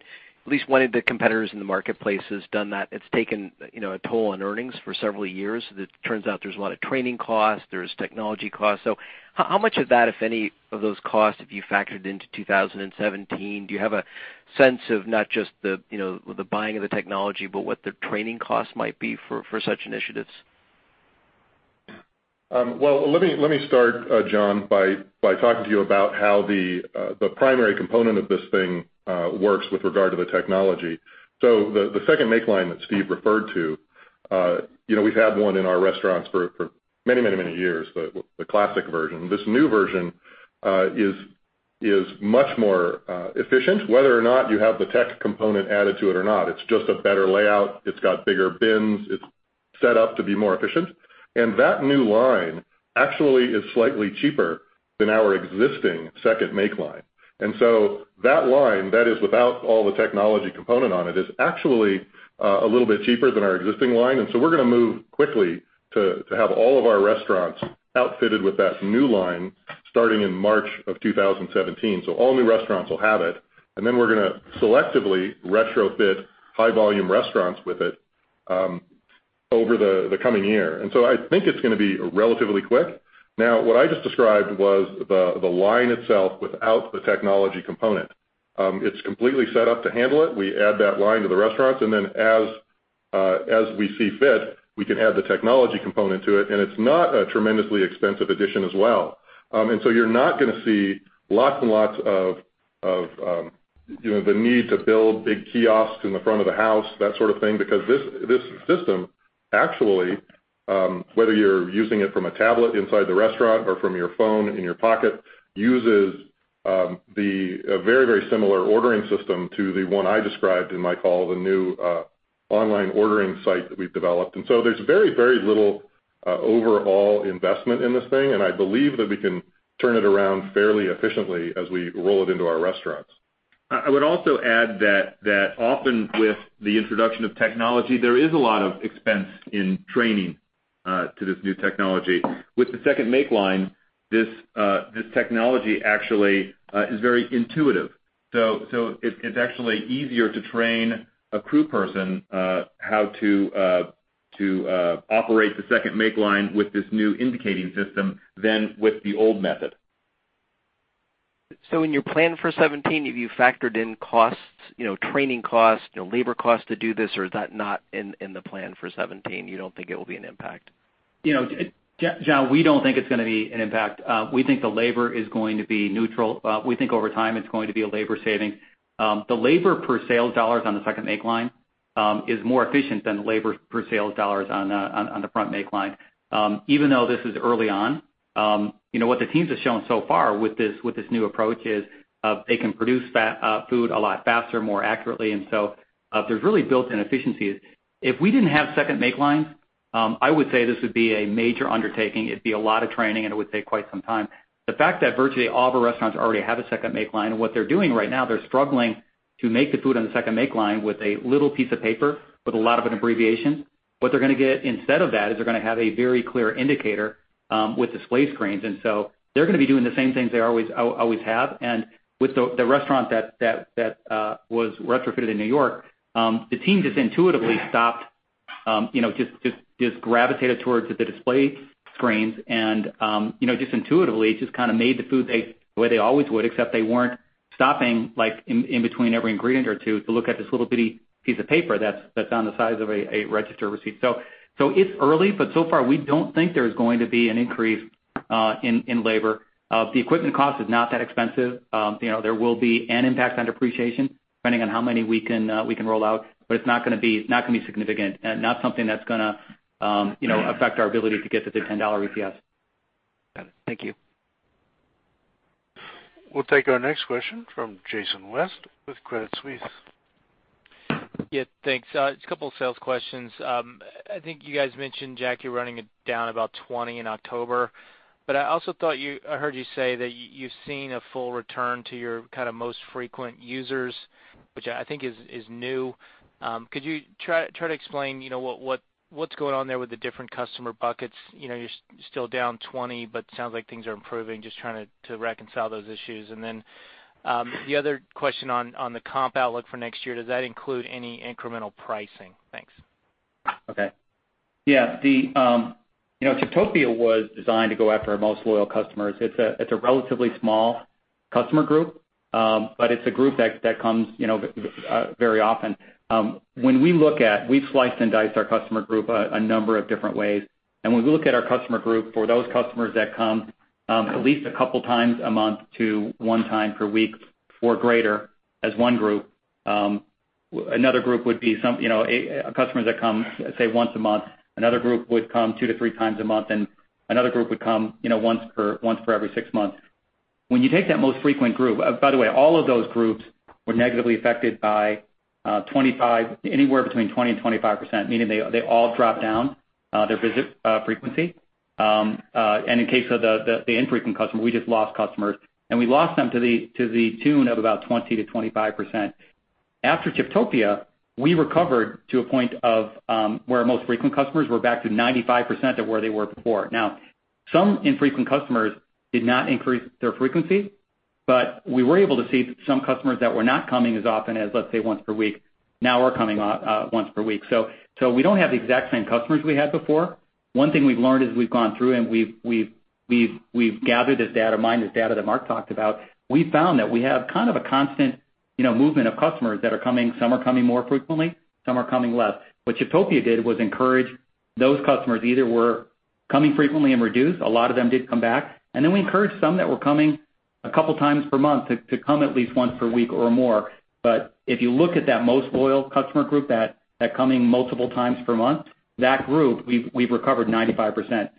least one of the competitors in the marketplace has done that. It's taken a toll on earnings for several years. It turns out there's a lot of training costs, there's technology costs. How much of that, if any, of those costs have you factored into 2017? Do you have a sense of not just the buying of the technology, but what the training costs might be for such initiatives? Well, let me start, John, by talking to you about how the primary component of this thing works with regard to the technology. The second make line that Steve referred to, we've had one in our restaurants for many years, the classic version. This new version is much more efficient, whether or not you have the tech component added to it or not. It's just a better layout. It's got bigger bins. It's set up to be more efficient. That new line actually is slightly cheaper than our existing second make line. That line, that is without all the technology component on it, is actually a little bit cheaper than our existing line. We're going to move quickly to have all of our restaurants outfitted with that new line starting in March of 2017. All new restaurants will have it. We're going to selectively retrofit high volume restaurants with it over the coming year. I think it's going to be relatively quick. Now, what I just described was the line itself without the technology component. It's completely set up to handle it. We add that line to the restaurants. As we see fit, we can add the technology component to it. It's not a tremendously expensive addition as well. You're not going to see lots and lots of the need to build big kiosks in the front of the house, that sort of thing, because this system actually, whether you're using it from a tablet inside the restaurant or from your phone in your pocket, uses a very similar ordering system to the one I described in my call, the new online ordering site that we've developed. There's very little overall investment in this thing, and I believe that we can turn it around fairly efficiently as we roll it into our restaurants. I would also add that often with the introduction of technology, there is a lot of expense in training to this new technology. With the second make line, this technology actually is very intuitive. It's actually easier to train a crew person how to operate the second make line with this new indicating system than with the old method. In your plan for 2017, have you factored in costs, training costs, labor costs to do this, or is that not in the plan for 2017, you don't think it will be an impact? John, we don't think it's going to be an impact. We think the labor is going to be neutral. We think over time it's going to be a labor saving. The labor per sales dollars on the second make line is more efficient than the labor per sales dollars on the front make line. Even though this is early on, what the teams have shown so far with this new approach is, they can produce food a lot faster, more accurately, and so there's really built-in efficiencies. If we didn't have second make lines, I would say this would be a major undertaking. It'd be a lot of training, and it would take quite some time. The fact that virtually all of our restaurants already have a second make line, what they're doing right now, they're struggling to make the food on the second make line with a little piece of paper, with a lot of an abbreviation. What they're going to get instead of that, is they're going to have a very clear indicator, with display screens. They're going to be doing the same things they always have. With the restaurant that was retrofitted in N.Y., the team just intuitively stopped, just gravitated towards the display screens and, just intuitively just kind of made the food the way they always would, except they weren't stopping in between every ingredient or two to look at this little bitty piece of paper that's on the size of a register receipt. It's early, but so far we don't think there's going to be an increase in labor. The equipment cost is not that expensive. There will be an impact on depreciation depending on how many we can roll out, but it's not going to be significant and not something that's going to affect our ability to get to the $10 EPS. Got it. Thank you. We'll take our next question from Jason West with Credit Suisse. Thanks. Just a couple sales questions. I think you guys mentioned, Jack, you are running it down about 20% in October, but I also thought I heard you say that you have seen a full return to your kind of most frequent users, which I think is new. Could you try to explain what is going on there with the different customer buckets? You are still down 20%, but sounds like things are improving. Just trying to reconcile those issues. The other question on the comp outlook for next year, does that include any incremental pricing? Thanks. Chiptopia was designed to go after our most loyal customers. It is a relatively small customer group, but it is a group that comes very often. We have sliced and diced our customer group a number of different ways, and when we look at our customer group, for those customers that come at least a couple times a month to one time per week or greater as one group. Another group would be customers that come, say, once a month. Another group would come two to three times a month, and another group would come once for every six months. When you take that most frequent group. By the way, all of those groups were negatively affected by anywhere between 20% and 25%, meaning they all dropped down their visit frequency. In case of the infrequent customer, we just lost customers, and we lost them to the tune of about 20% to 25%. After Chiptopia, we recovered to a point of where our most frequent customers were back to 95% of where they were before. Some infrequent customers did not increase their frequency, but we were able to see some customers that were not coming as often as, let's say, once per week, now are coming once per week. We do not have the exact same customers we had before. One thing we have learned as we have gone through and we have gathered this data, mined this data that Mark talked about, we found that we have kind of a constant movement of customers that are coming. Some are coming more frequently, some are coming less. What Chiptopia did was encourage those customers either were coming frequently and reduced. A lot of them did come back, and we encouraged some that were coming a couple times per month to come at least once per week or more. If you look at that most loyal customer group that are coming multiple times per month, that group, we have recovered 95%.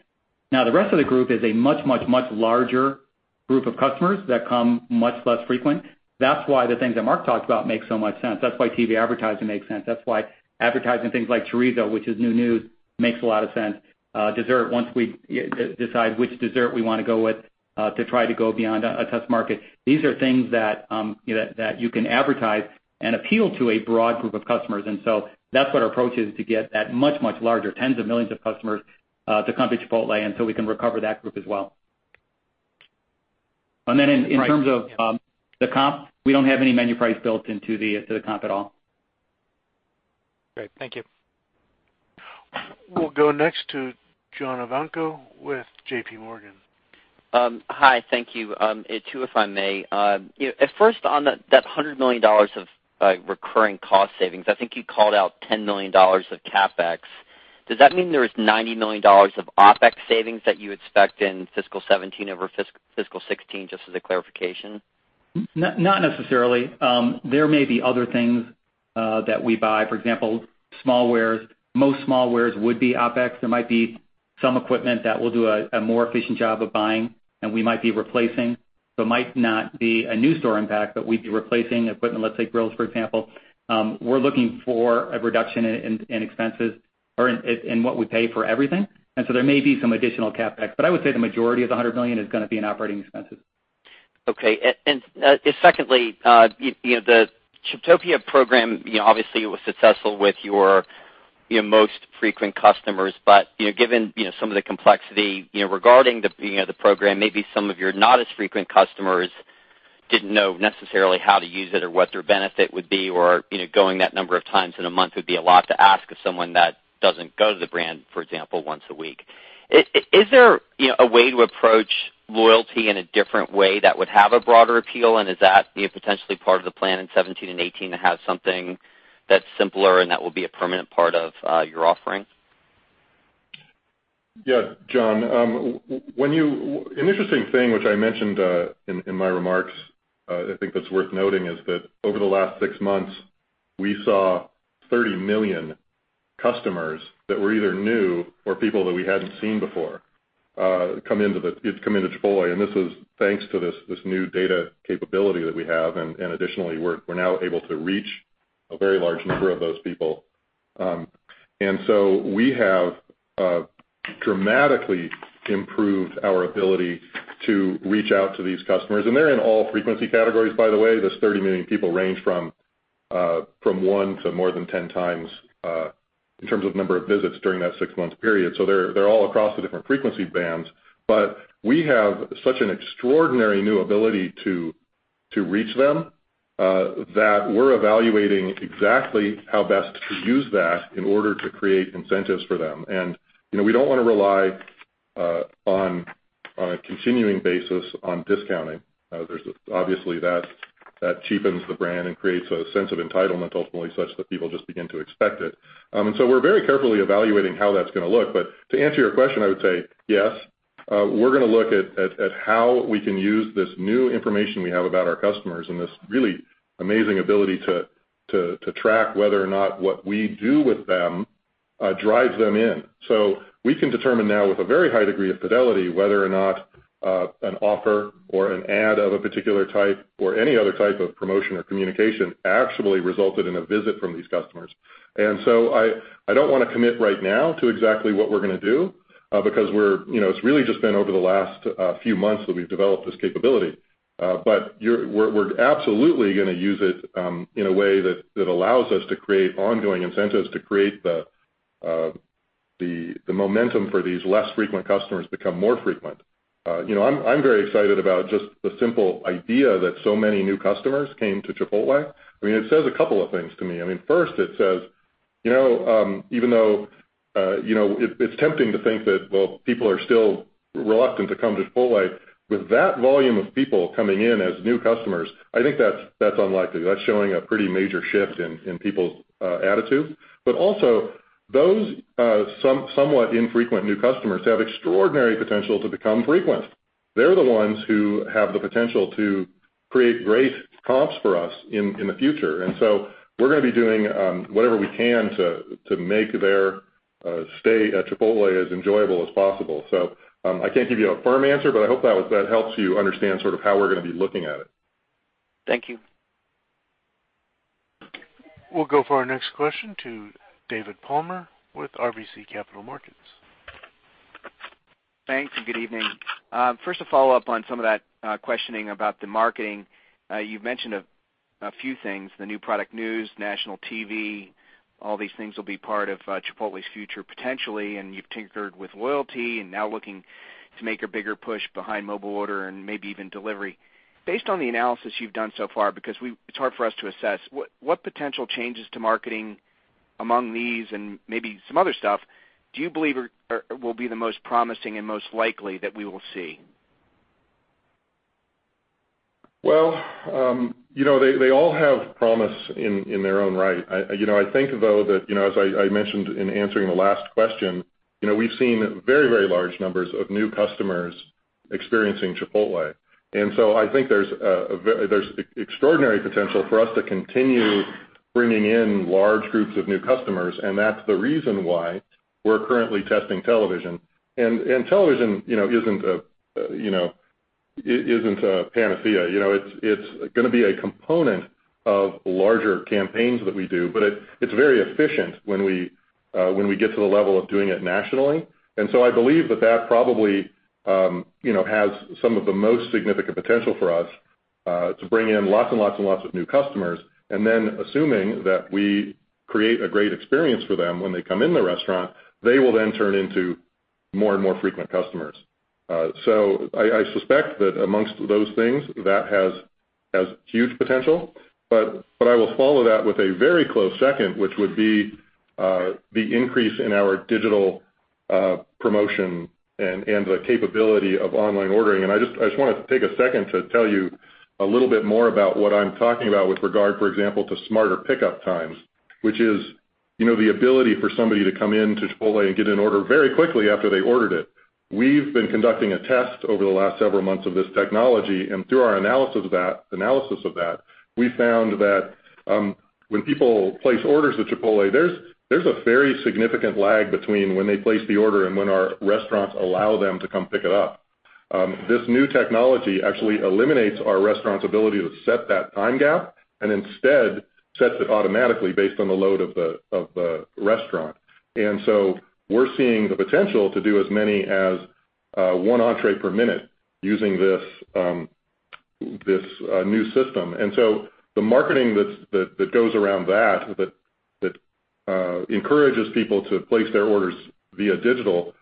The rest of the group is a much, much, much larger group of customers that come much less frequent. That is why the things that Mark talked about make so much sense. That is why TV advertising makes sense. That is why advertising things like chorizo, which is new news, makes a lot of sense. Dessert, once we decide which dessert we want to go with to try to go beyond a test market. These are things that you can advertise and appeal to a broad group of customers. That's what our approach is to get that much, much larger, tens of millions of customers, to come to Chipotle until we can recover that group as well. In terms of the comp, we don't have any menu price built into the comp at all. Great. Thank you. We'll go next to John Ivankoe with J.P. Morgan. Hi, thank you. Two, if I may. First on that $100 million of recurring cost savings, I think you called out $10 million of CapEx. Does that mean there is $90 million of OpEx savings that you expect in fiscal 2017 over fiscal 2016? Just as a clarification. Not necessarily. There may be other things that we buy. For example, small wares. Most small wares would be OpEx. There might be some equipment that we'll do a more efficient job of buying and we might be replacing. It might not be a new store impact, but we'd be replacing equipment, let's say grills, for example. We're looking for a reduction in expenses or in what we pay for everything. There may be some additional CapEx, but I would say the majority of the $100 million is going to be in operating expenses. Okay. Secondly, the Chiptopia program, obviously, it was successful with your most frequent customers. Given some of the complexity regarding the program, maybe some of your not-as-frequent customers didn't know necessarily how to use it or what their benefit would be or, going that number of times in a month would be a lot to ask of someone that doesn't go to the brand, for example, once a week. Is there a way to approach loyalty in a different way that would have a broader appeal? Is that potentially part of the plan in 2017 and 2018 to have something that's simpler and that will be a permanent part of your offering? Yeah, John. An interesting thing, which I mentioned in my remarks, I think that's worth noting, is that over the last six months, we saw 30 million customers that were either new or people that we hadn't seen before, come into Chipotle. This is thanks to this new data capability that we have. Additionally, we're now able to reach a very large number of those people. We have dramatically improved our ability to reach out to these customers. They're in all frequency categories, by the way. This 30 million people range from one to more than 10 times in terms of number of visits during that six-month period. They're all across the different frequency bands. We have such an extraordinary new ability to reach them, that we're evaluating exactly how best to use that in order to create incentives for them. We don't want to rely on a continuing basis on discounting. Obviously, that cheapens the brand and creates a sense of entitlement, ultimately, such that people just begin to expect it. We're very carefully evaluating how that's going to look. To answer your question, I would say, yes, we're going to look at how we can use this new information we have about our customers and this really amazing ability to track whether or not what we do with them drives them in. We can determine now with a very high degree of fidelity, whether or not an offer or an ad of a particular type or any other type of promotion or communication actually resulted in a visit from these customers. I don't want to commit right now to exactly what we're going to do, because it's really just been over the last few months that we've developed this capability. We're absolutely going to use it in a way that allows us to create ongoing incentives to create the momentum for these less frequent customers to become more frequent. I'm very excited about just the simple idea that so many new customers came to Chipotle. It says a couple of things to me. First it says, even though it's tempting to think that, well, people are still reluctant to come to Chipotle, with that volume of people coming in as new customers, I think that's unlikely. That's showing a pretty major shift in people's attitude. Also, those somewhat infrequent new customers have extraordinary potential to become frequent. They're the ones who have the potential to create great comps for us in the future. We're going to be doing whatever we can to make their stay at Chipotle as enjoyable as possible. I can't give you a firm answer, but I hope that helps you understand how we're going to be looking at it. Thank you. We'll go for our next question to David Palmer with RBC Capital Markets. Thanks, and good evening. First, a follow-up on some of that questioning about the marketing. You've mentioned a few things, the new product news, national TV, all these things will be part of Chipotle's future, potentially, and you've tinkered with loyalty and now looking to make a bigger push behind mobile order and maybe even delivery. Based on the analysis you've done so far, because it's hard for us to assess, what potential changes to marketing among these and maybe some other stuff do you believe will be the most promising and most likely that we will see? Well, they all have promise in their own right. I think, though, that as I mentioned in answering the last question, we've seen very large numbers of new customers experiencing Chipotle. I think there's extraordinary potential for us to continue bringing in large groups of new customers, and that's the reason why we're currently testing television. Television isn't a panacea. It's going to be a component of larger campaigns that we do, but it's very efficient when we get to the level of doing it nationally. I believe that that probably has some of the most significant potential for us to bring in lots and lots of new customers. Assuming that we create a great experience for them when they come in the restaurant, they will then turn into more and more frequent customers. I suspect that amongst those things, that has huge potential, but I will follow that with a very close second, which would be the increase in our digital promotion and the capability of online ordering. I just want to take a second to tell you a little bit more about what I'm talking about with regard, for example, to Smarter Pickup Times, which is the ability for somebody to come into Chipotle and get an order very quickly after they ordered it. We've been conducting a test over the last several months of this technology, and through our analysis of that, we found that when people place orders at Chipotle, there's a very significant lag between when they place the order and when our restaurants allow them to come pick it up. This new technology actually eliminates our restaurant's ability to set that time gap, and instead sets it automatically based on the load of the restaurant. We're seeing the potential to do as many as one entrée per minute using this new system. The marketing that goes around that encourages people to place their orders via digital,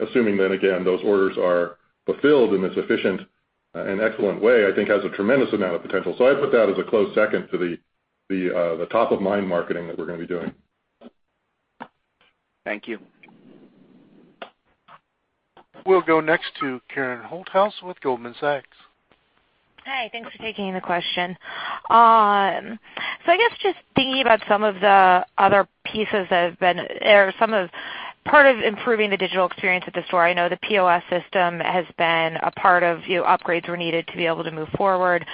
assuming then again, those orders are fulfilled in this efficient and excellent way, I think has a tremendous amount of potential. I'd put that as a close second to the top of mind marketing that we're going to be doing. Thank you. We'll go next to Karen Holthouse with Goldman Sachs. Hi. Thanks for taking the question. I guess just thinking about some of the other pieces or part of improving the digital experience at the store. I know the POS system has been a part of upgrades were needed to be able to move forward.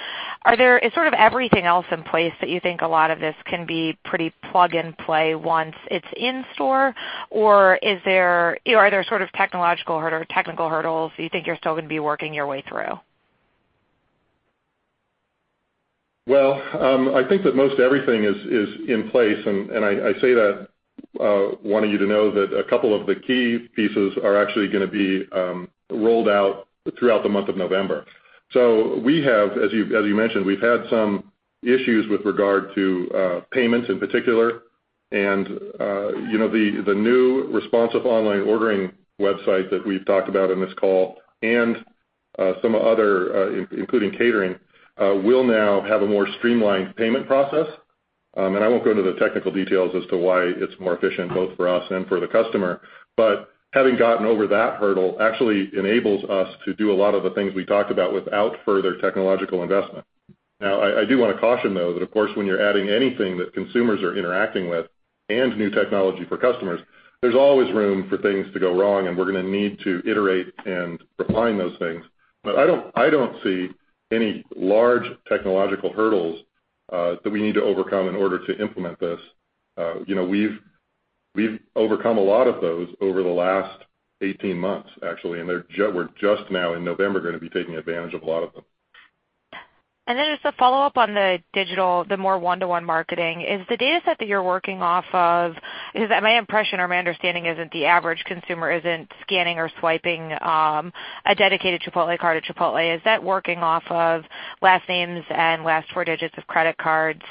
Is everything else in place that you think a lot of this can be pretty plug and play once it's in store? Are there technological or technical hurdles you think you're still going to be working your way through? I think that most everything is in place, and I say that wanting you to know that a couple of the key pieces are actually going to be rolled out throughout the month of November. We have, as you mentioned, we've had some issues with regard to payments in particular, and the new responsive online ordering website that we've talked about in this call and some other, including catering, will now have a more streamlined payment process. I won't go into the technical details as to why it's more efficient both for us and for the customer. Having gotten over that hurdle actually enables us to do a lot of the things we talked about without further technological investment. I do want to caution, though, that of course, when you're adding anything that consumers are interacting with and new technology for customers, there's always room for things to go wrong, and we're going to need to iterate and refine those things. I don't see any large technological hurdles that we need to overcome in order to implement this. We've overcome a lot of those over the last 18 months, actually, and we're just now in November going to be taking advantage of a lot of them. Just a follow-up on the digital, the more one-to-one marketing. Is the data set that you're working off of? Because my impression or my understanding is that the average consumer isn't scanning or swiping a dedicated Chipotle card at Chipotle. Is that working off of last names and last 4 digits of credit cards?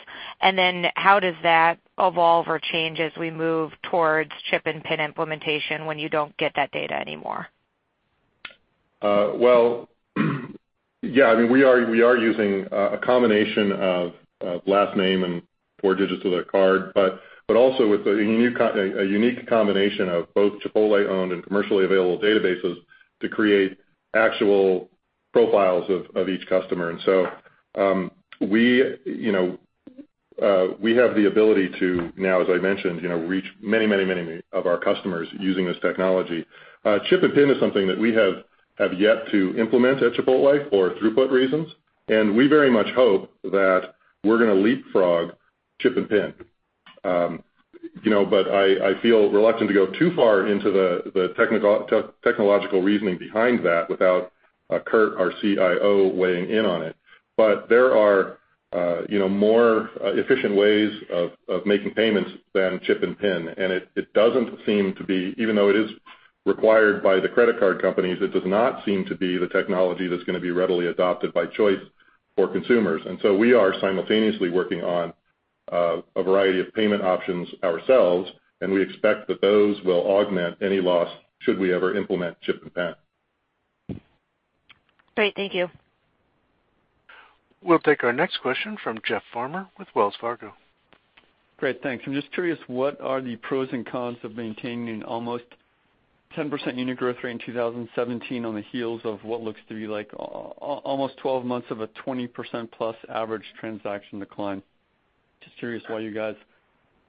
How does that evolve or change as we move towards Chip and PIN implementation when you don't get that data anymore? Well, yeah. We are using a combination of last name and 4 digits of their card, also with a unique combination of both Chipotle-owned and commercially available databases to create actual profiles of each customer. We have the ability to now, as I mentioned, reach many of our customers using this technology. Chip and PIN is something that we have yet to implement at Chipotle for throughput reasons, and we very much hope that we're going to leapfrog Chip and PIN. I feel reluctant to go too far into the technological reasoning behind that without Curt, our CIO, weighing in on it. There are more efficient ways of making payments than Chip and PIN, and it doesn't seem to be, even though it is required by the credit card companies, it does not seem to be the technology that's going to be readily adopted by choice for consumers. We are simultaneously working on a variety of payment options ourselves, and we expect that those will augment any loss should we ever implement Chip and PIN. Great. Thank you. We'll take our next question from Jeff Farmer with Wells Fargo. Great. Thanks. I'm just curious, what are the pros and cons of maintaining almost 10% unit growth rate in 2017 on the heels of what looks to be like almost 12 months of a 20%+ average transaction decline? Just curious why you guys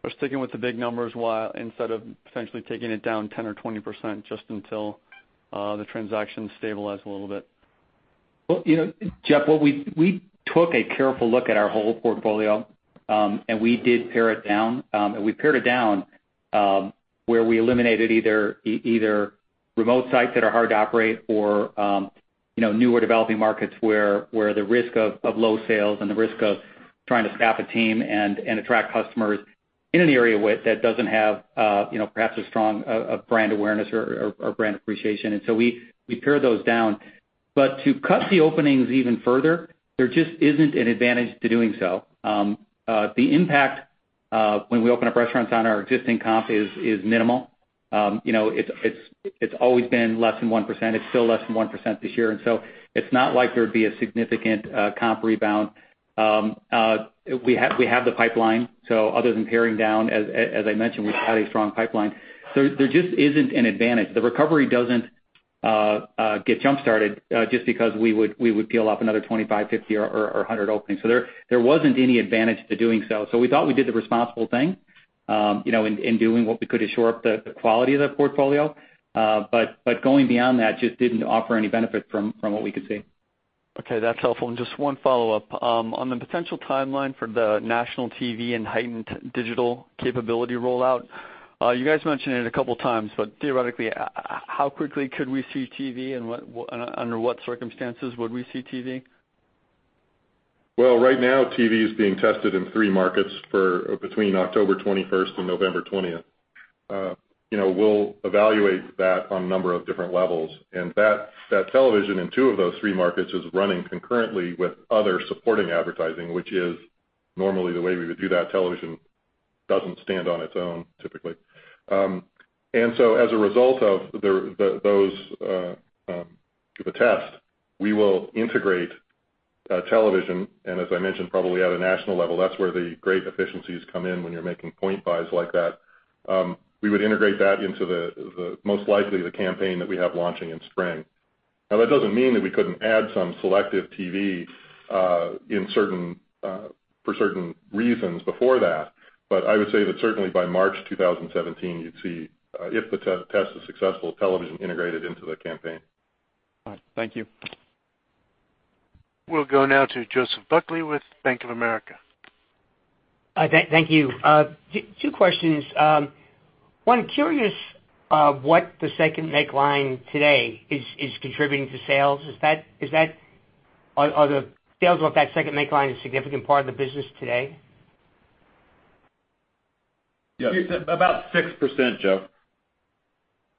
are sticking with the big numbers instead of potentially taking it down 10% or 20% just until the transactions stabilize a little bit. Well, Jeff, we took a careful look at our whole portfolio, and we did pare it down, and we pared it down where we eliminated either remote sites that are hard to operate or newer developing markets where the risk of low sales and the risk of trying to staff a team and attract customers in an area that doesn't have perhaps a strong brand awareness or brand appreciation. We pared those down. To cut the openings even further, there just isn't an advantage to doing so. The impact when we open up restaurants on our existing comp is minimal. It's always been less than 1%. It's still less than 1% this year. It's not like there would be a significant comp rebound. We have the pipeline. Other than paring down, as I mentioned, we have a strong pipeline. There just isn't an advantage. The recovery doesn't get jump-started just because we would peel off another 25, 50 or 100 openings. There wasn't any advantage to doing so. We thought we did the responsible thing in doing what we could to shore up the quality of the portfolio. Going beyond that just didn't offer any benefit from what we could see. Okay, that's helpful. Just one follow-up. On the potential timeline for the national TV and heightened digital capability rollout, you guys mentioned it a couple of times, theoretically, how quickly could we see TV and under what circumstances would we see TV? Well, right now TV is being tested in three markets between October 21st and November 20th. We'll evaluate that on a number of different levels, that television in two of those three markets is running concurrently with other supporting advertising, which is normally the way we would do that. Television doesn't stand on its own, typically. As a result of the test, we will integrate television, as I mentioned, probably at a national level. That's where the great efficiencies come in when you're making point buys like that. We would integrate that into the most likely the campaign that we have launching in spring. Now, that doesn't mean that we couldn't add some selective TV for certain reasons before that. I would say that certainly by March 2017, you'd see, if the test is successful, television integrated into the campaign. All right. Thank you. We'll go now to Joseph Buckley with Bank of America. Thank you. Two questions. One, curious what the second make line today is contributing to sales. Are the sales off that second make line a significant part of the business today? Yes. About 6%, Joe.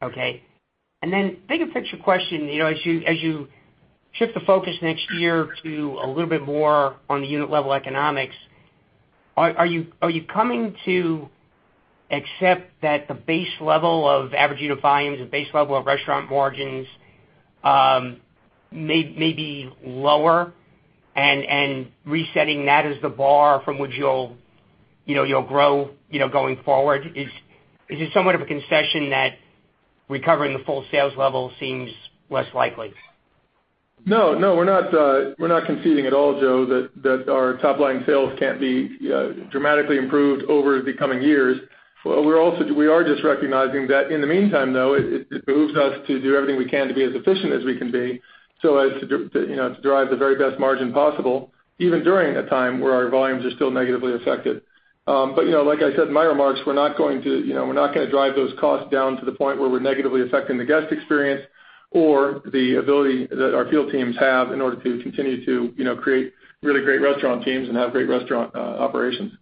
Okay. Bigger picture question. As you shift the focus next year to a little bit more on the unit level economics, are you coming to accept that the base level of average unit volumes, the base level of restaurant margins may be lower and resetting that as the bar from which you'll grow going forward? Is it somewhat of a concession that recovering the full sales level seems less likely? No, we're not conceding at all, Joe, that our top-line sales can't be dramatically improved over the coming years. We are just recognizing that in the meantime, though, it behooves us to do everything we can to be as efficient as we can be so as to drive the very best margin possible, even during a time where our volumes are still negatively affected. Like I said in my remarks, we're not going to drive those costs down to the point where we're negatively affecting the guest experience or the ability that our field teams have in order to continue to create really great restaurant teams and have great restaurant operations.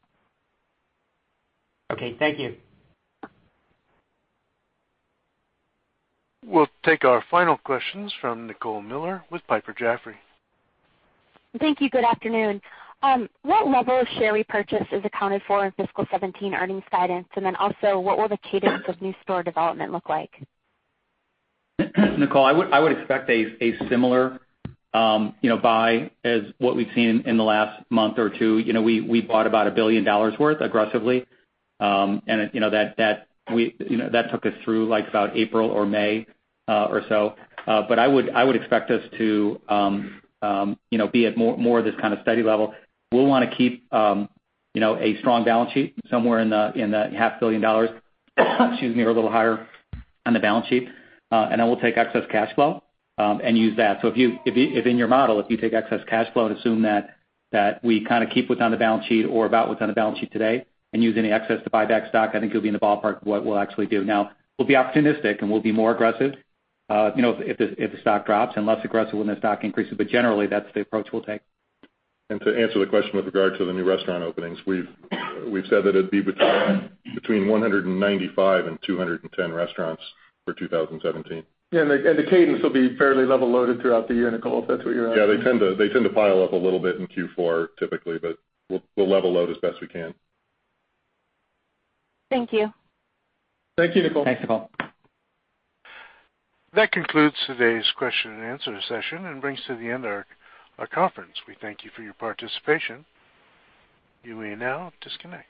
Okay. Thank you. We'll take our final questions from Nicole Miller with Piper Jaffray. Thank you. Good afternoon. What level of share repurchase is accounted for in fiscal 2017 earnings guidance? What will the cadence of new store development look like? Nicole, I would expect a similar buy as what we've seen in the last one or two months. We bought about $1 billion worth aggressively. That took us through about April or May or so. I would expect us to be at more of this kind of steady level. We'll want to keep a strong balance sheet somewhere in the half billion dollars or a little higher on the balance sheet. Then we'll take excess cash flow and use that. If in your model, if you take excess cash flow and assume that we kind of keep what's on the balance sheet or about what's on the balance sheet today and use any excess to buy back stock, I think you'll be in the ballpark of what we'll actually do. Now, we'll be opportunistic, and we'll be more aggressive if the stock drops and less aggressive when the stock increases. Generally, that's the approach we'll take. To answer the question with regard to the new restaurant openings, we've said that it'd be between 195 and 210 restaurants for 2017. Yeah, the cadence will be fairly level loaded throughout the year, Nicole, if that's what you're asking. They tend to pile up a little bit in Q4 typically, we'll level load as best we can. Thank you. Thank you, Nicole. Thanks, Nicole. That concludes today's question and answer session and brings to the end our conference. We thank you for your participation. You may now disconnect.